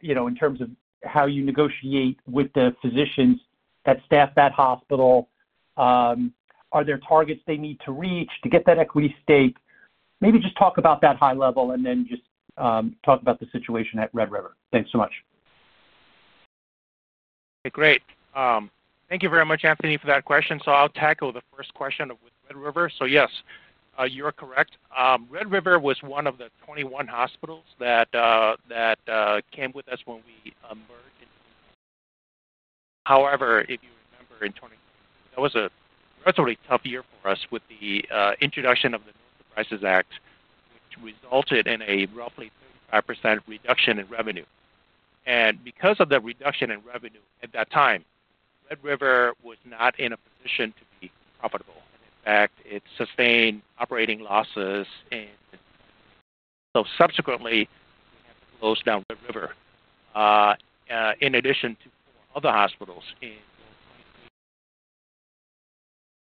in terms of how you negotiate with the physicians that staff that hospital? Are there targets they need to reach to get that equity stake? Maybe just talk about that high level and then just talk about the situation at Red River. Thanks so much. Okay, great. Thank you very much, Anthony, for that question. I'll tackle the first question with Red River. Yes, you're correct. Red River was one of the 21 hospitals that came with us when we merged. However, if you remember, in 2020, that was a relatively tough year for us with the introduction of the No Surprises Act, which resulted in a roughly 35% reduction in revenue. Because of the reduction in revenue at that time, Red River was not in a position to be profitable. In fact, it sustained operating losses, and so subsequently, we had to close down Red River in addition to four other hospitals in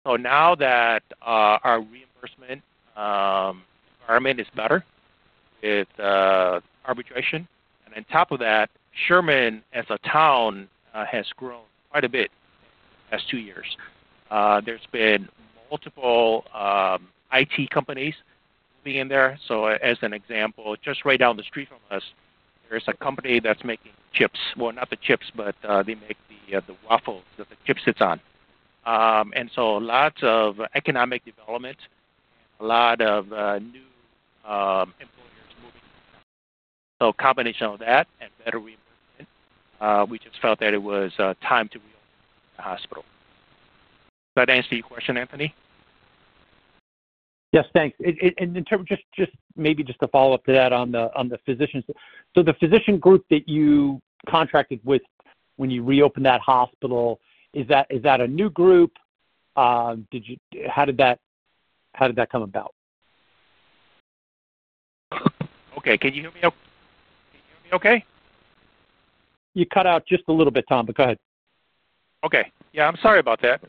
2020. Now that our reimbursement environment is better with arbitration, and on top of that, Sherman, as a town, has grown quite a bit in the past two years. There have been multiple IT companies moving in there. As an example, just right down the street from us, there is a company that is making chips. Not the chips, but they make the waffles that the chip sits on. Lots of economic development, a lot of new employers moving in. A combination of that and better reimbursement, we just felt that it was time to reopen the hospital. Does that answer your question, Anthony? Yes, thanks. Maybe just to follow up to that on the physicians. The physician group that you contracted with when you reopened that hospital, is that a new group? How did that come about? Okay. Can you hear me okay? You cut out just a little bit, Tom, but go ahead. Okay. I'm sorry about that.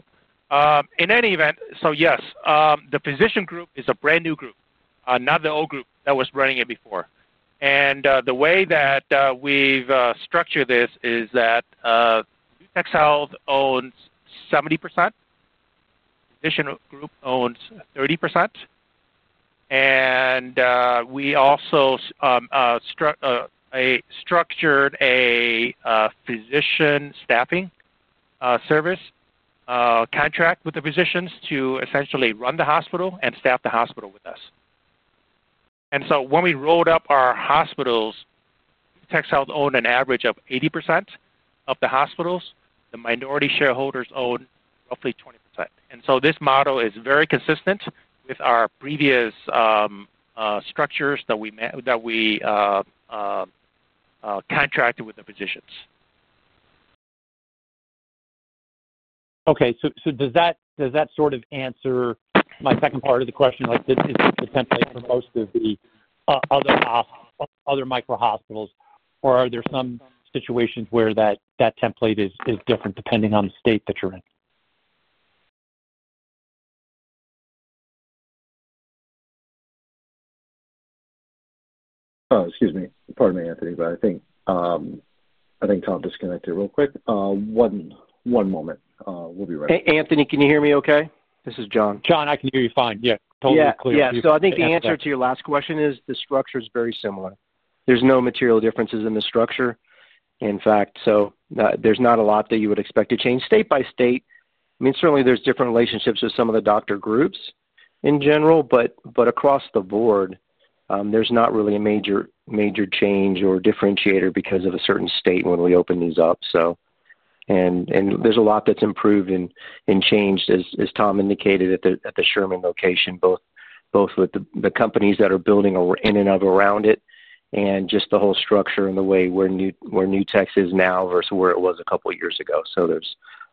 In any event, yes, the physician group is a brand new group, not the old group that was running it before. The way that we've structured this is that Nutex Health owns 70%, the physician group owns 30%, and we also structured a physician staffing service contract with the physicians to essentially run the hospital and staff the hospital with us. When we rolled up our hospitals, Nutex Health owned an average of 80% of the hospitals. The minority shareholders owned roughly 20%. This model is very consistent with our previous structures that we contracted with the physicians. Okay. Does that sort of answer my second part of the question? Is this the template for most of the other micro-hospitals, or are there some situations where that template is different depending on the state that you're in? Excuse me. Pardon me, Anthony, but I think Tom disconnected real quick. One moment. We'll be right back. Anthony, can you hear me okay? This is Jon. Jon, I can hear you fine. Yeah. Totally clear. Yeah. I think the answer to your last question is the structure is very similar. There are no material differences in the structure. In fact, there is not a lot that you would expect to change. State by state, I mean, certainly there are different relationships with some of the doctor groups in general, but across the board, there is not really a major change or differentiator because of a certain state when we open these up. There is a lot that has improved and changed, as Tom indicated, at the Sherman location, both with the companies that are building in and around it and just the whole structure and the way where Nutex is now versus where it was a couple of years ago. There are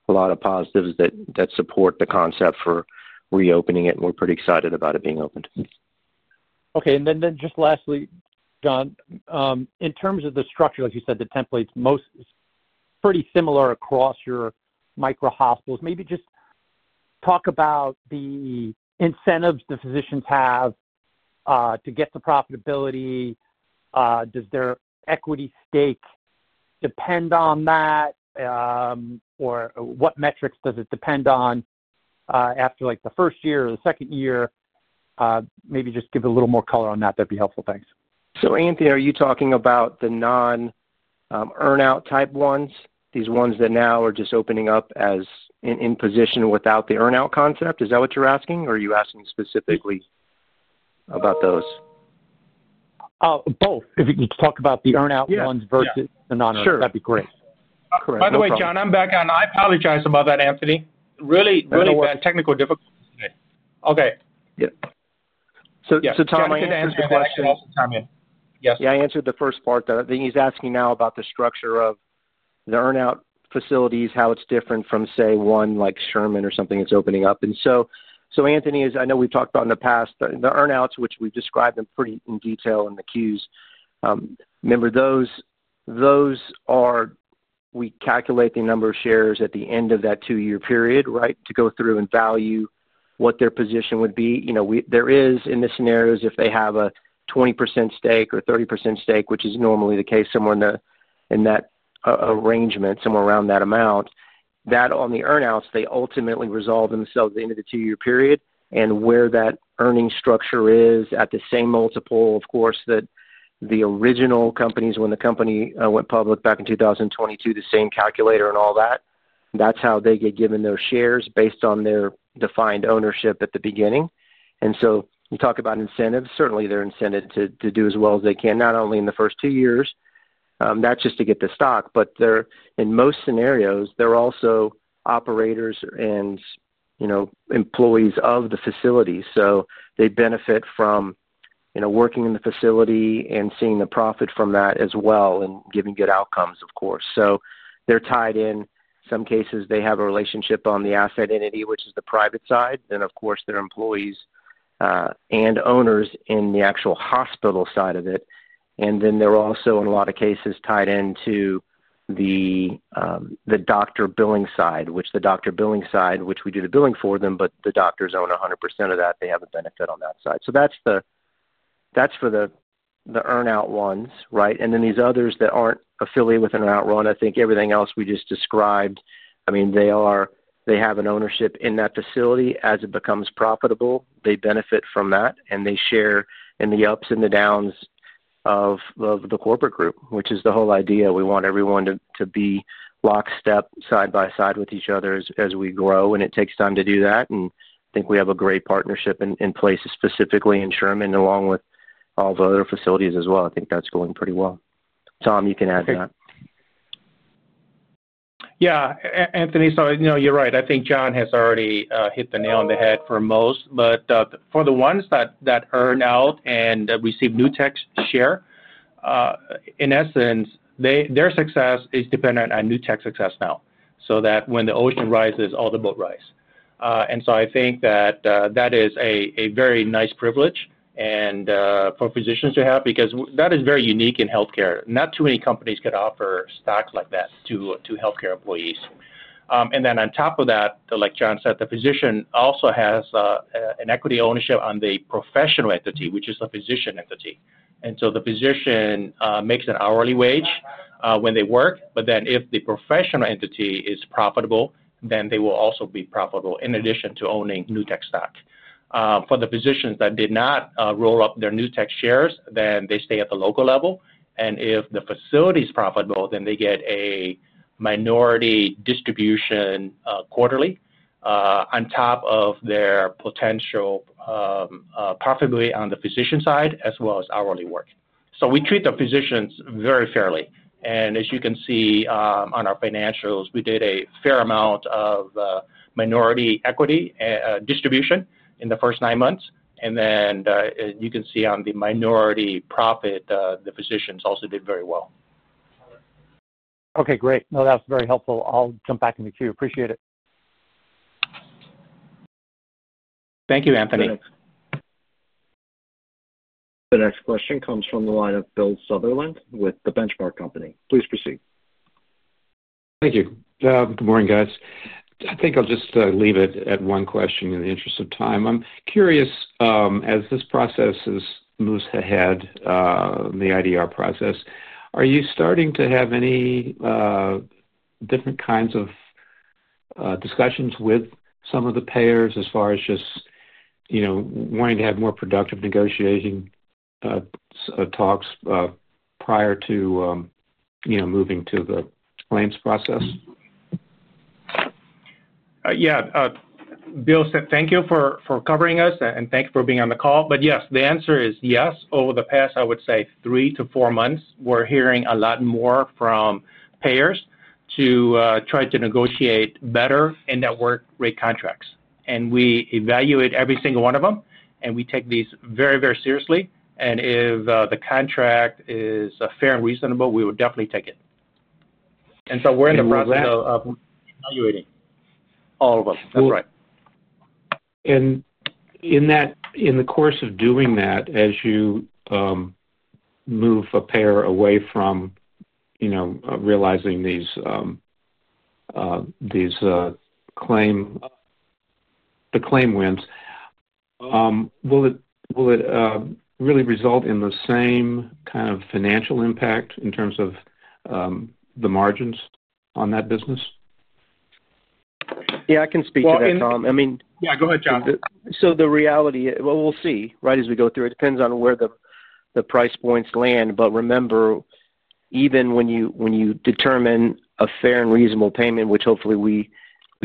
a lot of positives that support the concept for reopening it, and we're pretty excited about it being opened. .Okay. And then just lastly, Jon, in terms of the structure, like you said, the templates, most pretty similar across your micro-hospitals. Maybe just talk about the incentives the physicians have to get the profitability. Does their equity stake depend on that, or what metrics does it depend on after the first year or the second year? Maybe just give a little more color on that. That'd be helpful. Thanks. Anthony, are you talking about the non-earnout type ones, these ones that now are just opening up in position without the earnout concept? Is that what you're asking, or are you asking specifically about those? Both. If you could talk about the earnout ones versus the non-earnout, that'd be great. Correct. By the way, Jon, I'm back on. I apologize about that, Anthony. Really bad technical difficulty. Okay. Tom, you can answer the question. Yes. Yeah, I answered the first part. I think he's asking now about the structure of the earnout facilities, how it's different from, say, one like Sherman or something that's opening up. Anthony, as I know we've talked about in the past, the earnouts, which we've described them pretty in detail in the Qs, remember those are we calculate the number of shares at the end of that two-year period, right, to go through and value what their position would be. There is, in this scenario, if they have a 20% stake or 30% stake, which is normally the case somewhere in that arrangement, somewhere around that amount, that on the earnouts, they ultimately resolve themselves at the end of the two-year period. Where that earning structure is at the same multiple, of course, that the original companies, when the company went public back in 2022, the same calculator and all that, that's how they get given their shares based on their defined ownership at the beginning. You talk about incentives. Certainly, they're incented to do as well as they can, not only in the first two years. That's just to get the stock. In most scenarios, they're also operators and employees of the facility. They benefit from working in the facility and seeing the profit from that as well and giving good outcomes, of course. They're tied in. In some cases, they have a relationship on the asset entity, which is the private side, and of course, they're employees and owners in the actual hospital side of it. They are also, in a lot of cases, tied into the doctor billing side, which we do the billing for them, but the doctors own 100% of that. They have a benefit on that side. That is for the earnout ones, right? These others that are not affiliated with an earnout one, I think everything else we just described, I mean, they have an ownership in that facility. As it becomes profitable, they benefit from that, and they share in the ups and the downs of the corporate group, which is the whole idea. We want everyone to be lockstep, side by side with each other as we grow. It takes time to do that. I think we have a great partnership in place, specifically in Sherman, along with all the other facilities as well. I think that is going pretty well. Tom, you can add to that. Yeah. Anthony, you are right. I think Jon has already hit the nail on the head for most. For the ones that earn out and receive Nutex share, in essence, their success is dependent on Nutex's success now. When the ocean rises, all the boat rises. I think that is a very nice privilege for physicians to have because that is very unique in healthcare. Not too many companies could offer stock like that to healthcare employees. On top of that, like Jon said, the physician also has an equity ownership on the professional entity, which is the physician entity. The physician makes an hourly wage when they work. If the professional entity is profitable, then they will also be profitable in addition to owning Nutex stock. For the physicians that did not roll up their Nutex shares, they stay at the local level. If the facility is profitable, they get a minority distribution quarterly on top of their potential profitability on the physician side as well as hourly work. We treat the physicians very fairly. As you can see on our financials, we did a fair amount of minority equity distribution in the first nine months. You can see on the minority profit, the physicians also did very well. Okay. Great. No, that was very helpful. I'll jump back in the Q. Appreciate it. Thank you, Anthony. The next question comes from the line of Bill Sutherland with The Benchmark Company. Please proceed. Thank you. Good morning, guys. I think I'll just leave it at one question in the interest of time. I'm curious, as this process moves ahead, the IDR process, are you starting to have any different kinds of discussions with some of the payers as far as just wanting to have more productive negotiation talks prior to moving to the claims process? Yeah. Bill, thank you for covering us, and thank you for being on the call. Yes, the answer is yes. Over the past, I would say, three to four months, we're hearing a lot more from payers to try to negotiate better and network rate contracts. We evaluate every single one of them, and we take these very, very seriously. If the contract is fair and reasonable, we would definitely take it. We are in the process of evaluating. All of us. That's right. In the course of doing that, as you move a payer away from realizing these claim wins, will it really result in the same kind of financial impact in terms of the margins on that business? Yeah, I can speak to that, Tom. I mean yeah. Go ahead, Jon. The reality, we will see, right, as we go through. It depends on where the price points land. Remember, even when you determine a fair and reasonable payment, which hopefully we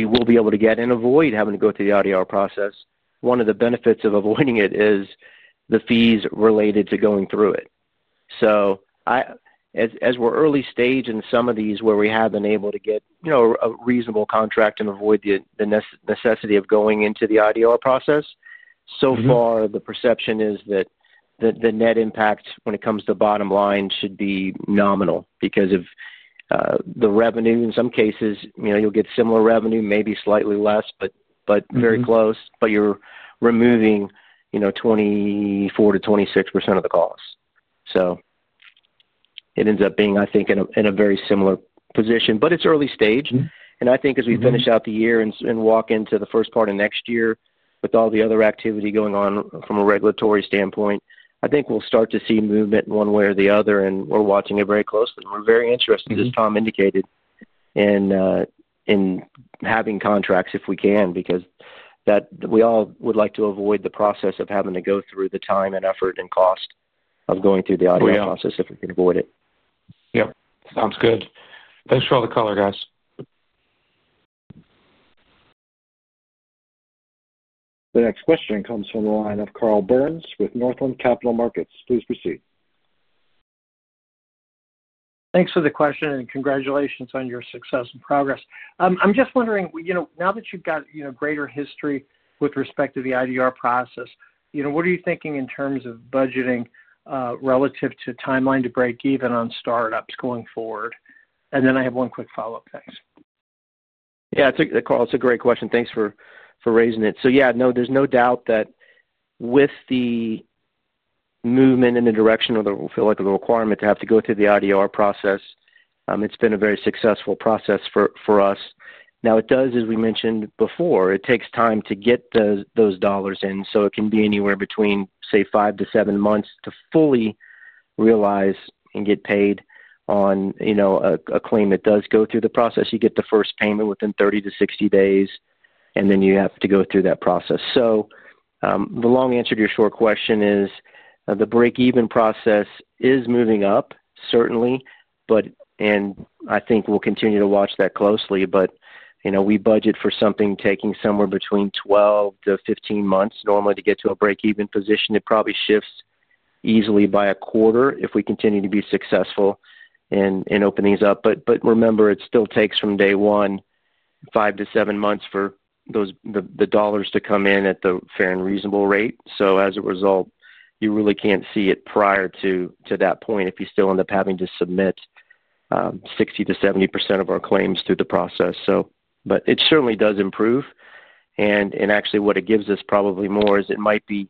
will be able to get and avoid having to go through the IDR process, one of the benefits of avoiding it is the fees related to going through it. As we're early stage in some of these where we have been able to get a reasonable contract and avoid the necessity of going into the IDR process, so far, the perception is that the net impact when it comes to bottom line should be nominal because of the revenue. In some cases, you'll get similar revenue, maybe slightly less, but very close. You're removing 24%-26% of the cost. It ends up being, I think, in a very similar position. It's early stage. I think as we finish out the year and walk into the first part of next year with all the other activity going on from a regulatory standpoint, I think we'll start to see movement one way or the other. We're watching it very closely. We're very interested, as Tom indicated, in having contracts if we can because we all would like to avoid the process of having to go through the time and effort and cost of going through the IDR process if we can avoid it. Yep. Sounds good. Thanks for all the color, guys. The next question comes from the line of Carl Byrnes with Northland Capital Markets. Please proceed. Thanks for the question, and congratulations on your success and progress. I'm just wondering, now that you've got greater history with respect to the IDR process, what are you thinking in terms of budgeting relative to timeline to break even on startups going forward? And then I have one quick follow-up. Thanks. Yeah. Carl, it's a great question. Thanks for raising it. Yeah, no, there's no doubt that with the movement in the direction of the requirement to have to go through the IDR process, it's been a very successful process for us. Now, it does, as we mentioned before, take time to get those dollars in. It can be anywhere between, say, five to seven months to fully realize and get paid on a claim that does go through the process. You get the first payment within 30 to 60 days, and then you have to go through that process. The long answer to your short question is the break-even process is moving up, certainly, and I think we'll continue to watch that closely. We budget for something taking somewhere between 12 to 15 months normally to get to a break-even position. It probably shifts easily by a quarter if we continue to be successful in opening these up. Remember, it still takes from day one, five to seven months for the dollars to come in at the fair and reasonable rate. As a result, you really can't see it prior to that point if you still end up having to submit 60%-70% of our claims through the process. It certainly does improve. Actually, what it gives us probably more is it might be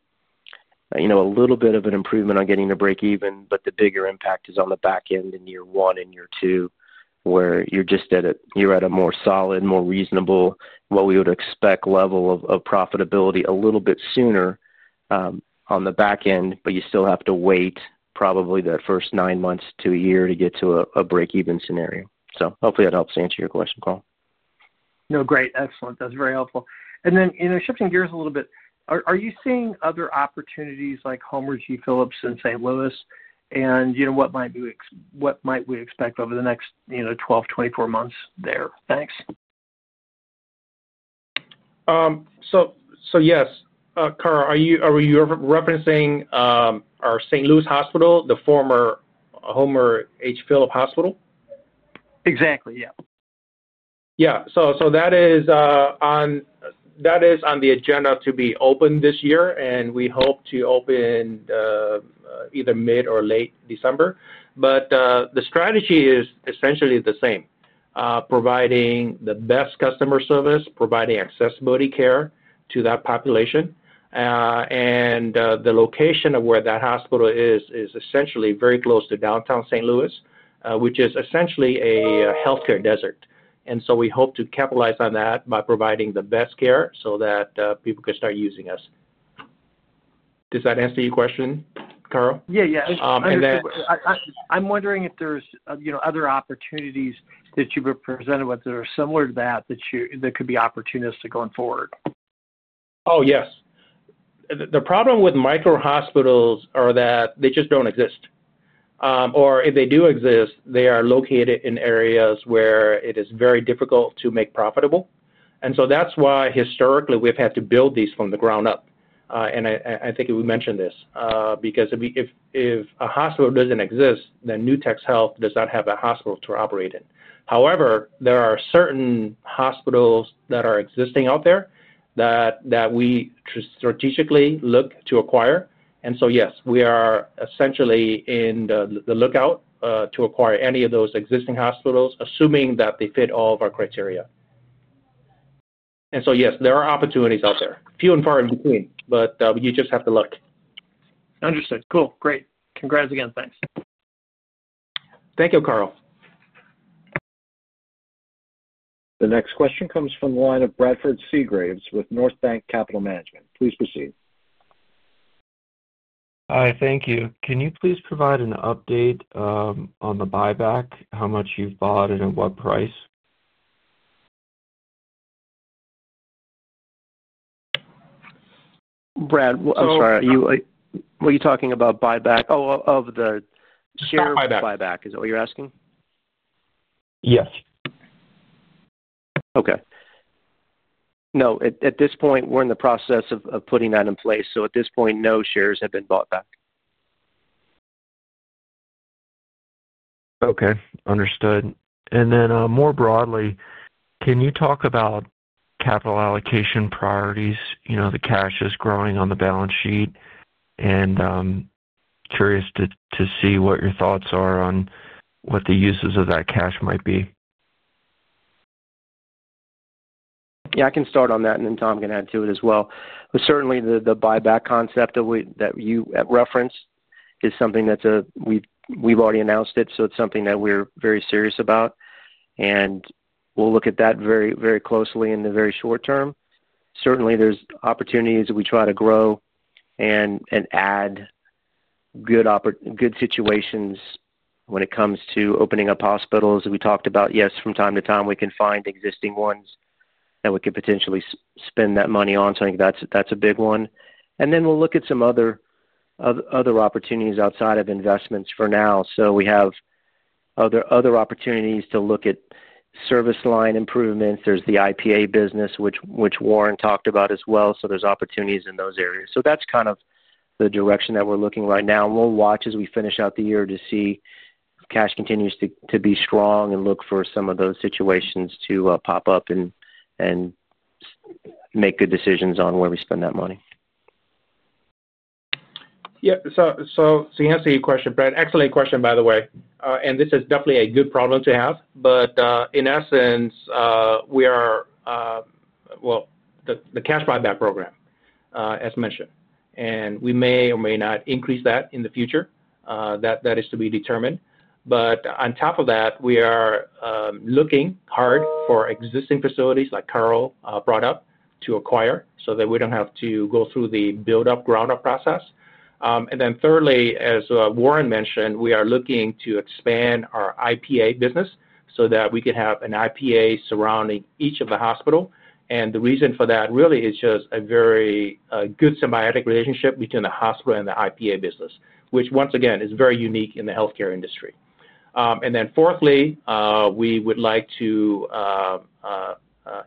a little bit of an improvement on getting to break even, but the bigger impact is on the back end in year one and year two where you're at a more solid, more reasonable, what we would expect level of profitability a little bit sooner on the back end, but you still have to wait probably that first nine months to a year to get to a break-even scenario. Hopefully, that helps answer your question, Carl. No, great. Excellent. That's very helpful. Shifting gears a little bit, are you seeing other opportunities like Homer G. Phillips in St. Louis? What might we expect over the next 12-24 months there? Thanks. Yes, Carl, are you referencing our St. Louis hospital, the former Homer G. Phillips Hospital? Exactly. Yeah. Yeah. That is on the agenda to be opened this year, and we hope to open either mid or late December. The strategy is essentially the same: providing the best customer service, providing accessibility care to that population. The location of where that hospital is is essentially very close to downtown St. Louis, which is essentially a healthcare desert. We hope to capitalize on that by providing the best care so that people can start using us. Does that answer your question, Carl? Yeah. Yeah. I'm wondering if there's other opportunities that you've presented with that are similar to that that could be opportunistic going forward. Oh, yes. The problem with micro-hospitals is that they just don't exist. Or if they do exist, they are located in areas where it is very difficult to make profitable. That is why historically we've had to build these from the ground up. I think we mentioned this because if a hospital does not exist, then Nutex Health does not have a hospital to operate in. However, there are certain hospitals that are existing out there that we strategically look to acquire. Yes, we are essentially on the lookout to acquire any of those existing hospitals, assuming that they fit all of our criteria. Yes, there are opportunities out there, few and far between, but you just have to look. Understood. Cool. Great. Congrats again. Thanks. Thank you, Carl. The next question comes from the line of Bradford Seagraves Northland Capital Markets. Please proceed. Hi. Thank you. Can you please provide an update on the buyback, how much you've bought, and at what price? [corsstalk] Brad, I'm sorry. Were you talking about buyback of the shares? It's not buyback. Is that what you're asking? Yes. Okay. No, at this point, we're in the process of putting that in place. At this point, no shares have been bought back. Okay. Understood. More broadly, can you talk about capital allocation priorities, the cash that's growing on the balance sheet? Curious to see what your thoughts are on what the uses of that cash might be. Yeah. I can start on that, and then Tom can add to it as well. Certainly, the buyback concept that you referenced is something that we've already announced. It's something that we're very serious about. We'll look at that very closely in the very short term. Certainly, there are opportunities that we try to grow and add good situations when it comes to opening up hospitals. We talked about, yes, from time to time, we can find existing ones that we could potentially spend that money on. I think that's a big one. We will look at some other opportunities outside of investments for now. We have other opportunities to look at service line improvements. There's the IPA business, which Warren talked about as well. There are opportunities in those areas. That's kind of the direction that we're looking right now. We will watch as we finish out the year to see if cash continues to be strong and look for some of those situations to pop up and make good decisions on where we spend that money. To answer your question, Brad, excellent question, by the way. This is definitely a good problem to have. In essence, we are, the cash buyback program, as mentioned. We may or may not increase that in the future. That is to be determined. On top of that, we are looking hard for existing facilities like Carl brought up to acquire so that we do not have to go through the build-up, ground-up process. Thirdly, as Warren mentioned, we are looking to expand our IPA business so that we can have an IPA surrounding each of the hospitals. The reason for that really is just a very good symbiotic relationship between the hospital and the IPA business, which, once again, is very unique in the healthcare industry. Fourthly, we would like to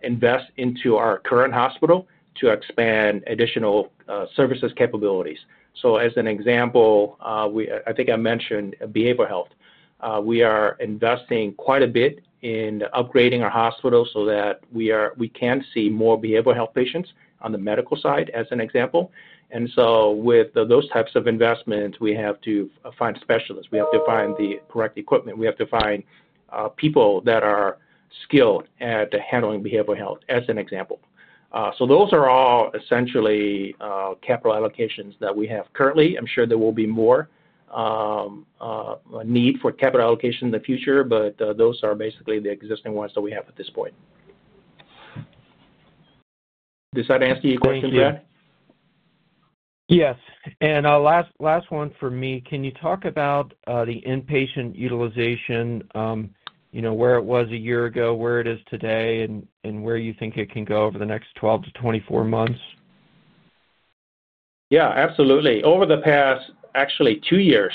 invest into our current hospital to expand additional services capabilities. As an example, I think I mentioned behavioral health. We are investing quite a bit in upgrading our hospital so that we can see more behavioral health patients on the medical side, as an example. With those types of investments, we have to find specialists. We have to find the correct equipment. We have to find people that are skilled at handling behavioral health, as an example. Those are all essentially capital allocations that we have currently. I'm sure there will be more need for capital allocation in the future, but those are basically the existing ones that we have at this point. Does that answer your question, Brad? Yes. Last one for me, can you talk about the inpatient utilization, where it was a year ago, where it is today, and where you think it can go over the next 12 to 24 months? Yeah. Absolutely. Over the past, actually, two years,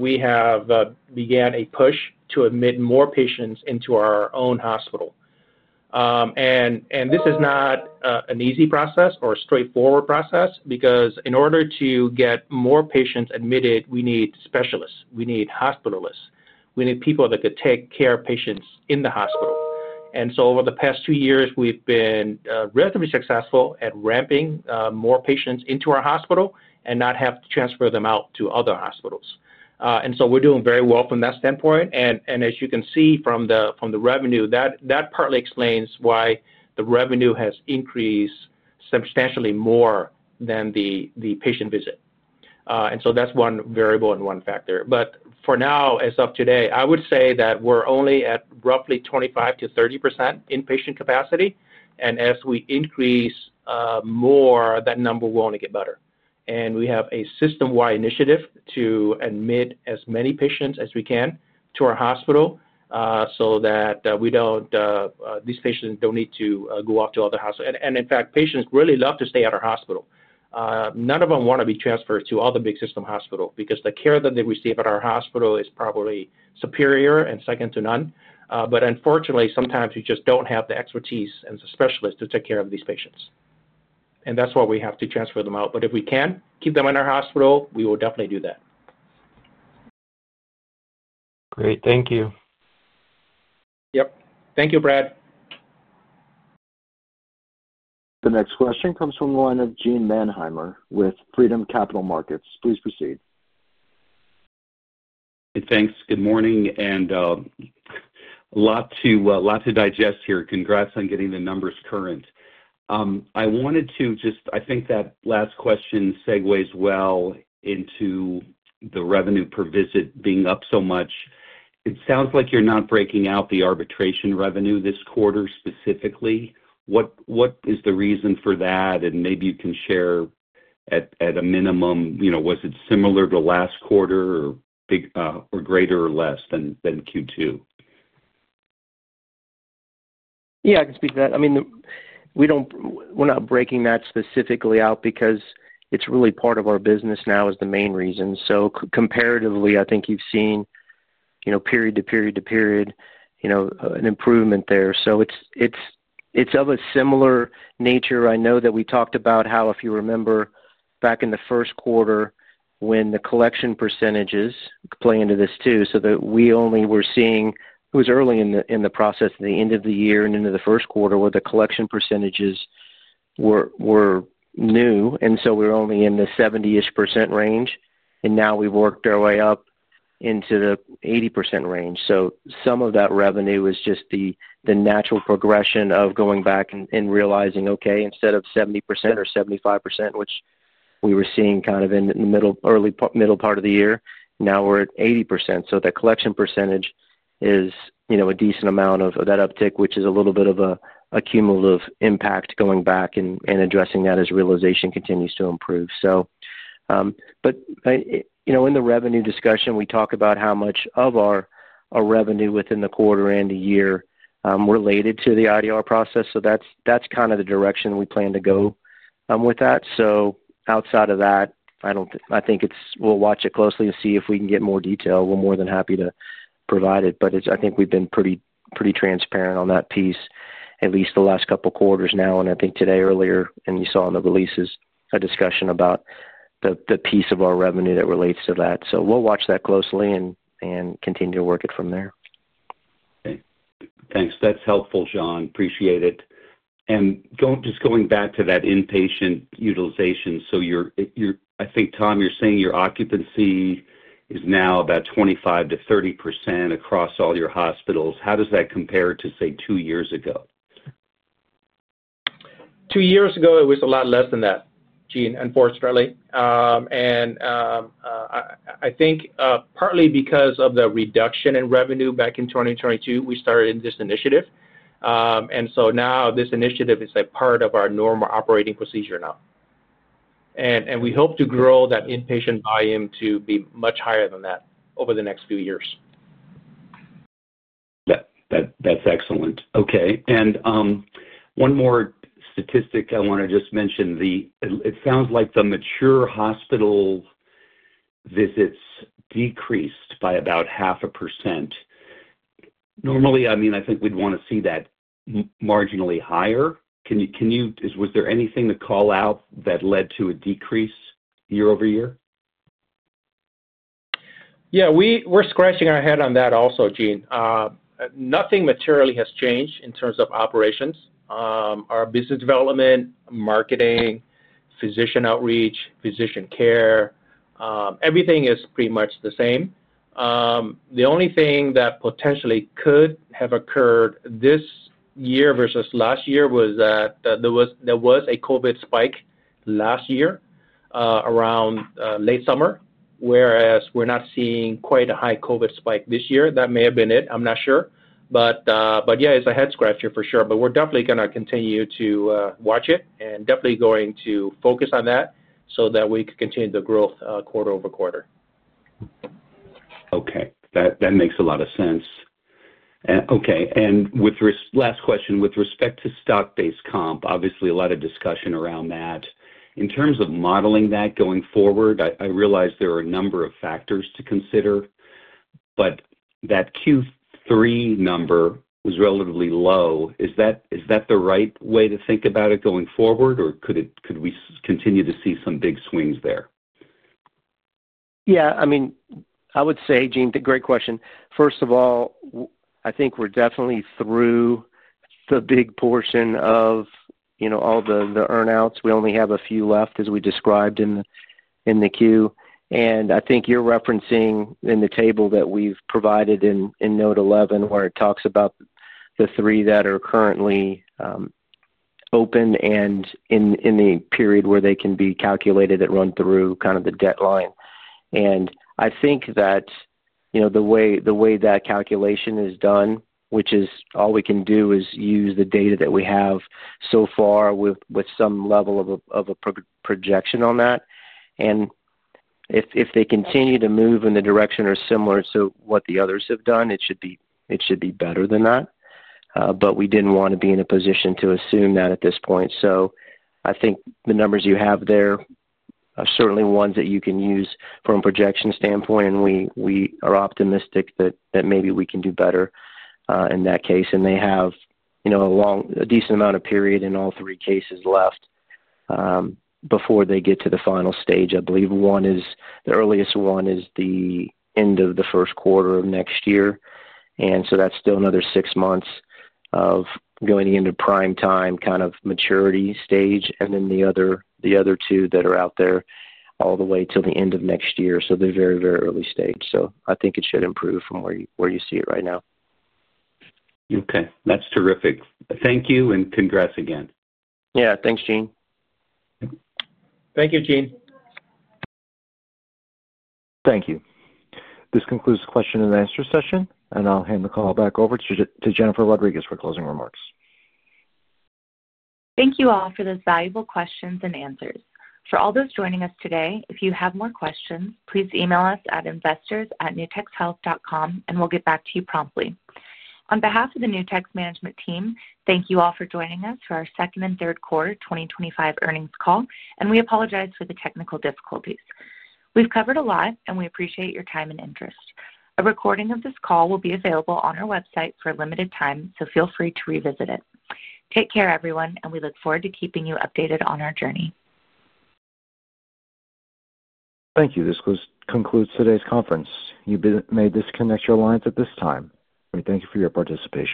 we have begun a push to admit more patients into our own hospital. This is not an easy process or a straightforward process because in order to get more patients admitted, we need specialists. We need hospitalists. We need people that could take care of patients in the hospital. Over the past two years, we've been relatively successful at ramping more patients into our hospital and not have to transfer them out to other hospitals. We're doing very well from that standpoint. As you can see from the revenue, that partly explains why the revenue has increased substantially more than the patient visit. That's one variable and one factor. For now, as of today, I would say that we're only at roughly 25-30% inpatient capacity. As we increase more, that number will only get better. We have a system-wide initiative to admit as many patients as we can to our hospital so that these patients do not need to go off to other hospitals. In fact, patients really love to stay at our hospital. None of them want to be transferred to all the big system hospitals because the care that they receive at our hospital is probably superior and second to none. Unfortunately, sometimes we just do not have the expertise and the specialists to take care of these patients. That is why we have to transfer them out. If we can keep them in our hospital, we will definitely do that. Great. Thank you. Yep. Thank you, Brad. The next question comes from the line of Gene Mannheimer with Freedom Capital Markets. Please proceed. Hey, thanks. Good morning. A lot to digest here. Congrats on getting the numbers current. I wanted to just—I think that last question segues well into the revenue per visit being up so much. It sounds like you're not breaking out the arbitration revenue this quarter specifically. What is the reason for that? Maybe you can share at a minimum, was it similar to last quarter or greater or less than Q2? Yeah. I can speak to that. I mean, we're not breaking that specifically out because it's really part of our business now as the main reason. Comparatively, I think you've seen period to period to period an improvement there. It's of a similar nature. I know that we talked about how, if you remember, back in the first quarter when the collection percentages play into this too, that we only were seeing—it was early in the process, at the end of the year and into the first quarter where the collection percentages were new. We were only in the 70% range. Now we've worked our way up into the 80% range. Some of that revenue is just the natural progression of going back and realizing, okay, instead of 70% or 75%, which we were seeing kind of in the early middle part of the year, now we're at 80%. The collection percentage is a decent amount of that uptick, which is a little bit of a cumulative impact going back and addressing that as realization continues to improve. In the revenue discussion, we talk about how much of our revenue within the quarter and the year related to the IDR process. That is kind of the direction we plan to go with that. Outside of that, I think we will watch it closely and see if we can get more detail. We are more than happy to provide it. I think we have been pretty transparent on that piece, at least the last couple of quarters now. I think today earlier, and you saw in the releases, a discussion about the piece of our revenue that relates to that. We will watch that closely and continue to work it from there. Okay. Thanks. That is helpful, Jon. Appreciate it. Just going back to that inpatient utilization, I think, Tom, you are saying your occupancy is now about 25-30% across all your hospitals. How does that compare to, say, two years ago? Two years ago, it was a lot less than that, Gene, unfortunately. I think partly because of the reduction in revenue back in 2022, we started this initiative. This initiative is a part of our normal operating procedure now. We hope to grow that inpatient volume to be much higher than that over the next few years. That's excellent. Okay. One more statistic I want to just mention. It sounds like the mature hospital visits decreased by about 0.5%. Normally, I mean, I think we'd want to see that marginally higher. Was there anything to call out that led to a decrease year over year? Yeah. We're scratching our head on that also, Gene. Nothing materially has changed in terms of operations. Our business development, marketing, physician outreach, physician care, everything is pretty much the same. The only thing that potentially could have occurred this year versus last year was that there was a COVID spike last year around late summer, whereas we're not seeing quite a high COVID spike this year. That may have been it. I'm not sure. Yeah, it's a head-scratcher for sure. We're definitely going to continue to watch it and definitely going to focus on that so that we can continue the growth quarter over quarter. Okay. That makes a lot of sense. Okay. Last question, with respect to stock-based comp, obviously a lot of discussion around that. In terms of modeling that going forward, I realize there are a number of factors to consider. That Q3 number was relatively low. Is that the right way to think about it going forward, or could we continue to see some big swings there? Yeah. I mean, I would say, Gene, great question. First of all, I think we're definitely through the big portion of all the earnouts. We only have a few left, as we described in the Q. I think you're referencing in the table that we've provided in Note 11 where it talks about the three that are currently open and in the period where they can be calculated that run through kind of the deadline. I think that the way that calculation is done, which is all we can do is use the data that we have so far with some level of a projection on that. If they continue to move in the direction or similar to what the others have done, it should be better than that. We did not want to be in a position to assume that at this point. I think the numbers you have there are certainly ones that you can use from a projection standpoint. We are optimistic that maybe we can do better in that case. They have a decent amount of period in all three cases left before they get to the final stage. I believe the earliest one is the end of the first quarter of next year. That is still another six months of going into prime time kind of maturity stage. The other two that are out there go all the way till the end of next year. They are very, very early stage. I think it should improve from where you see it right now. Okay. That's terrific. Thank you and congrats again. Yeah. Thanks, Gene. Thank you, Gene. Thank you. This concludes the question and answer session. I'll hand the call back over to Jennifer Rodriguez for closing remarks. Thank you all for those valuable questions and answers. For all those joining us today, if you have more questions, please email us at investors@nutexhealth.com, and we'll get back to you promptly. On behalf of the Nutex Management Team, thank you all for joining us for our second and third quarter 2024 earnings call. We apologize for the technical difficulties. We've covered a lot, and we appreciate your time and interest. A recording of this call will be available on our website for a limited time, so feel free to revisit it. Take care, everyone, and we look forward to keeping you updated on our journey. Thank you. This concludes today's conference. You may disconnect your lines at this time. We thank you for your participation.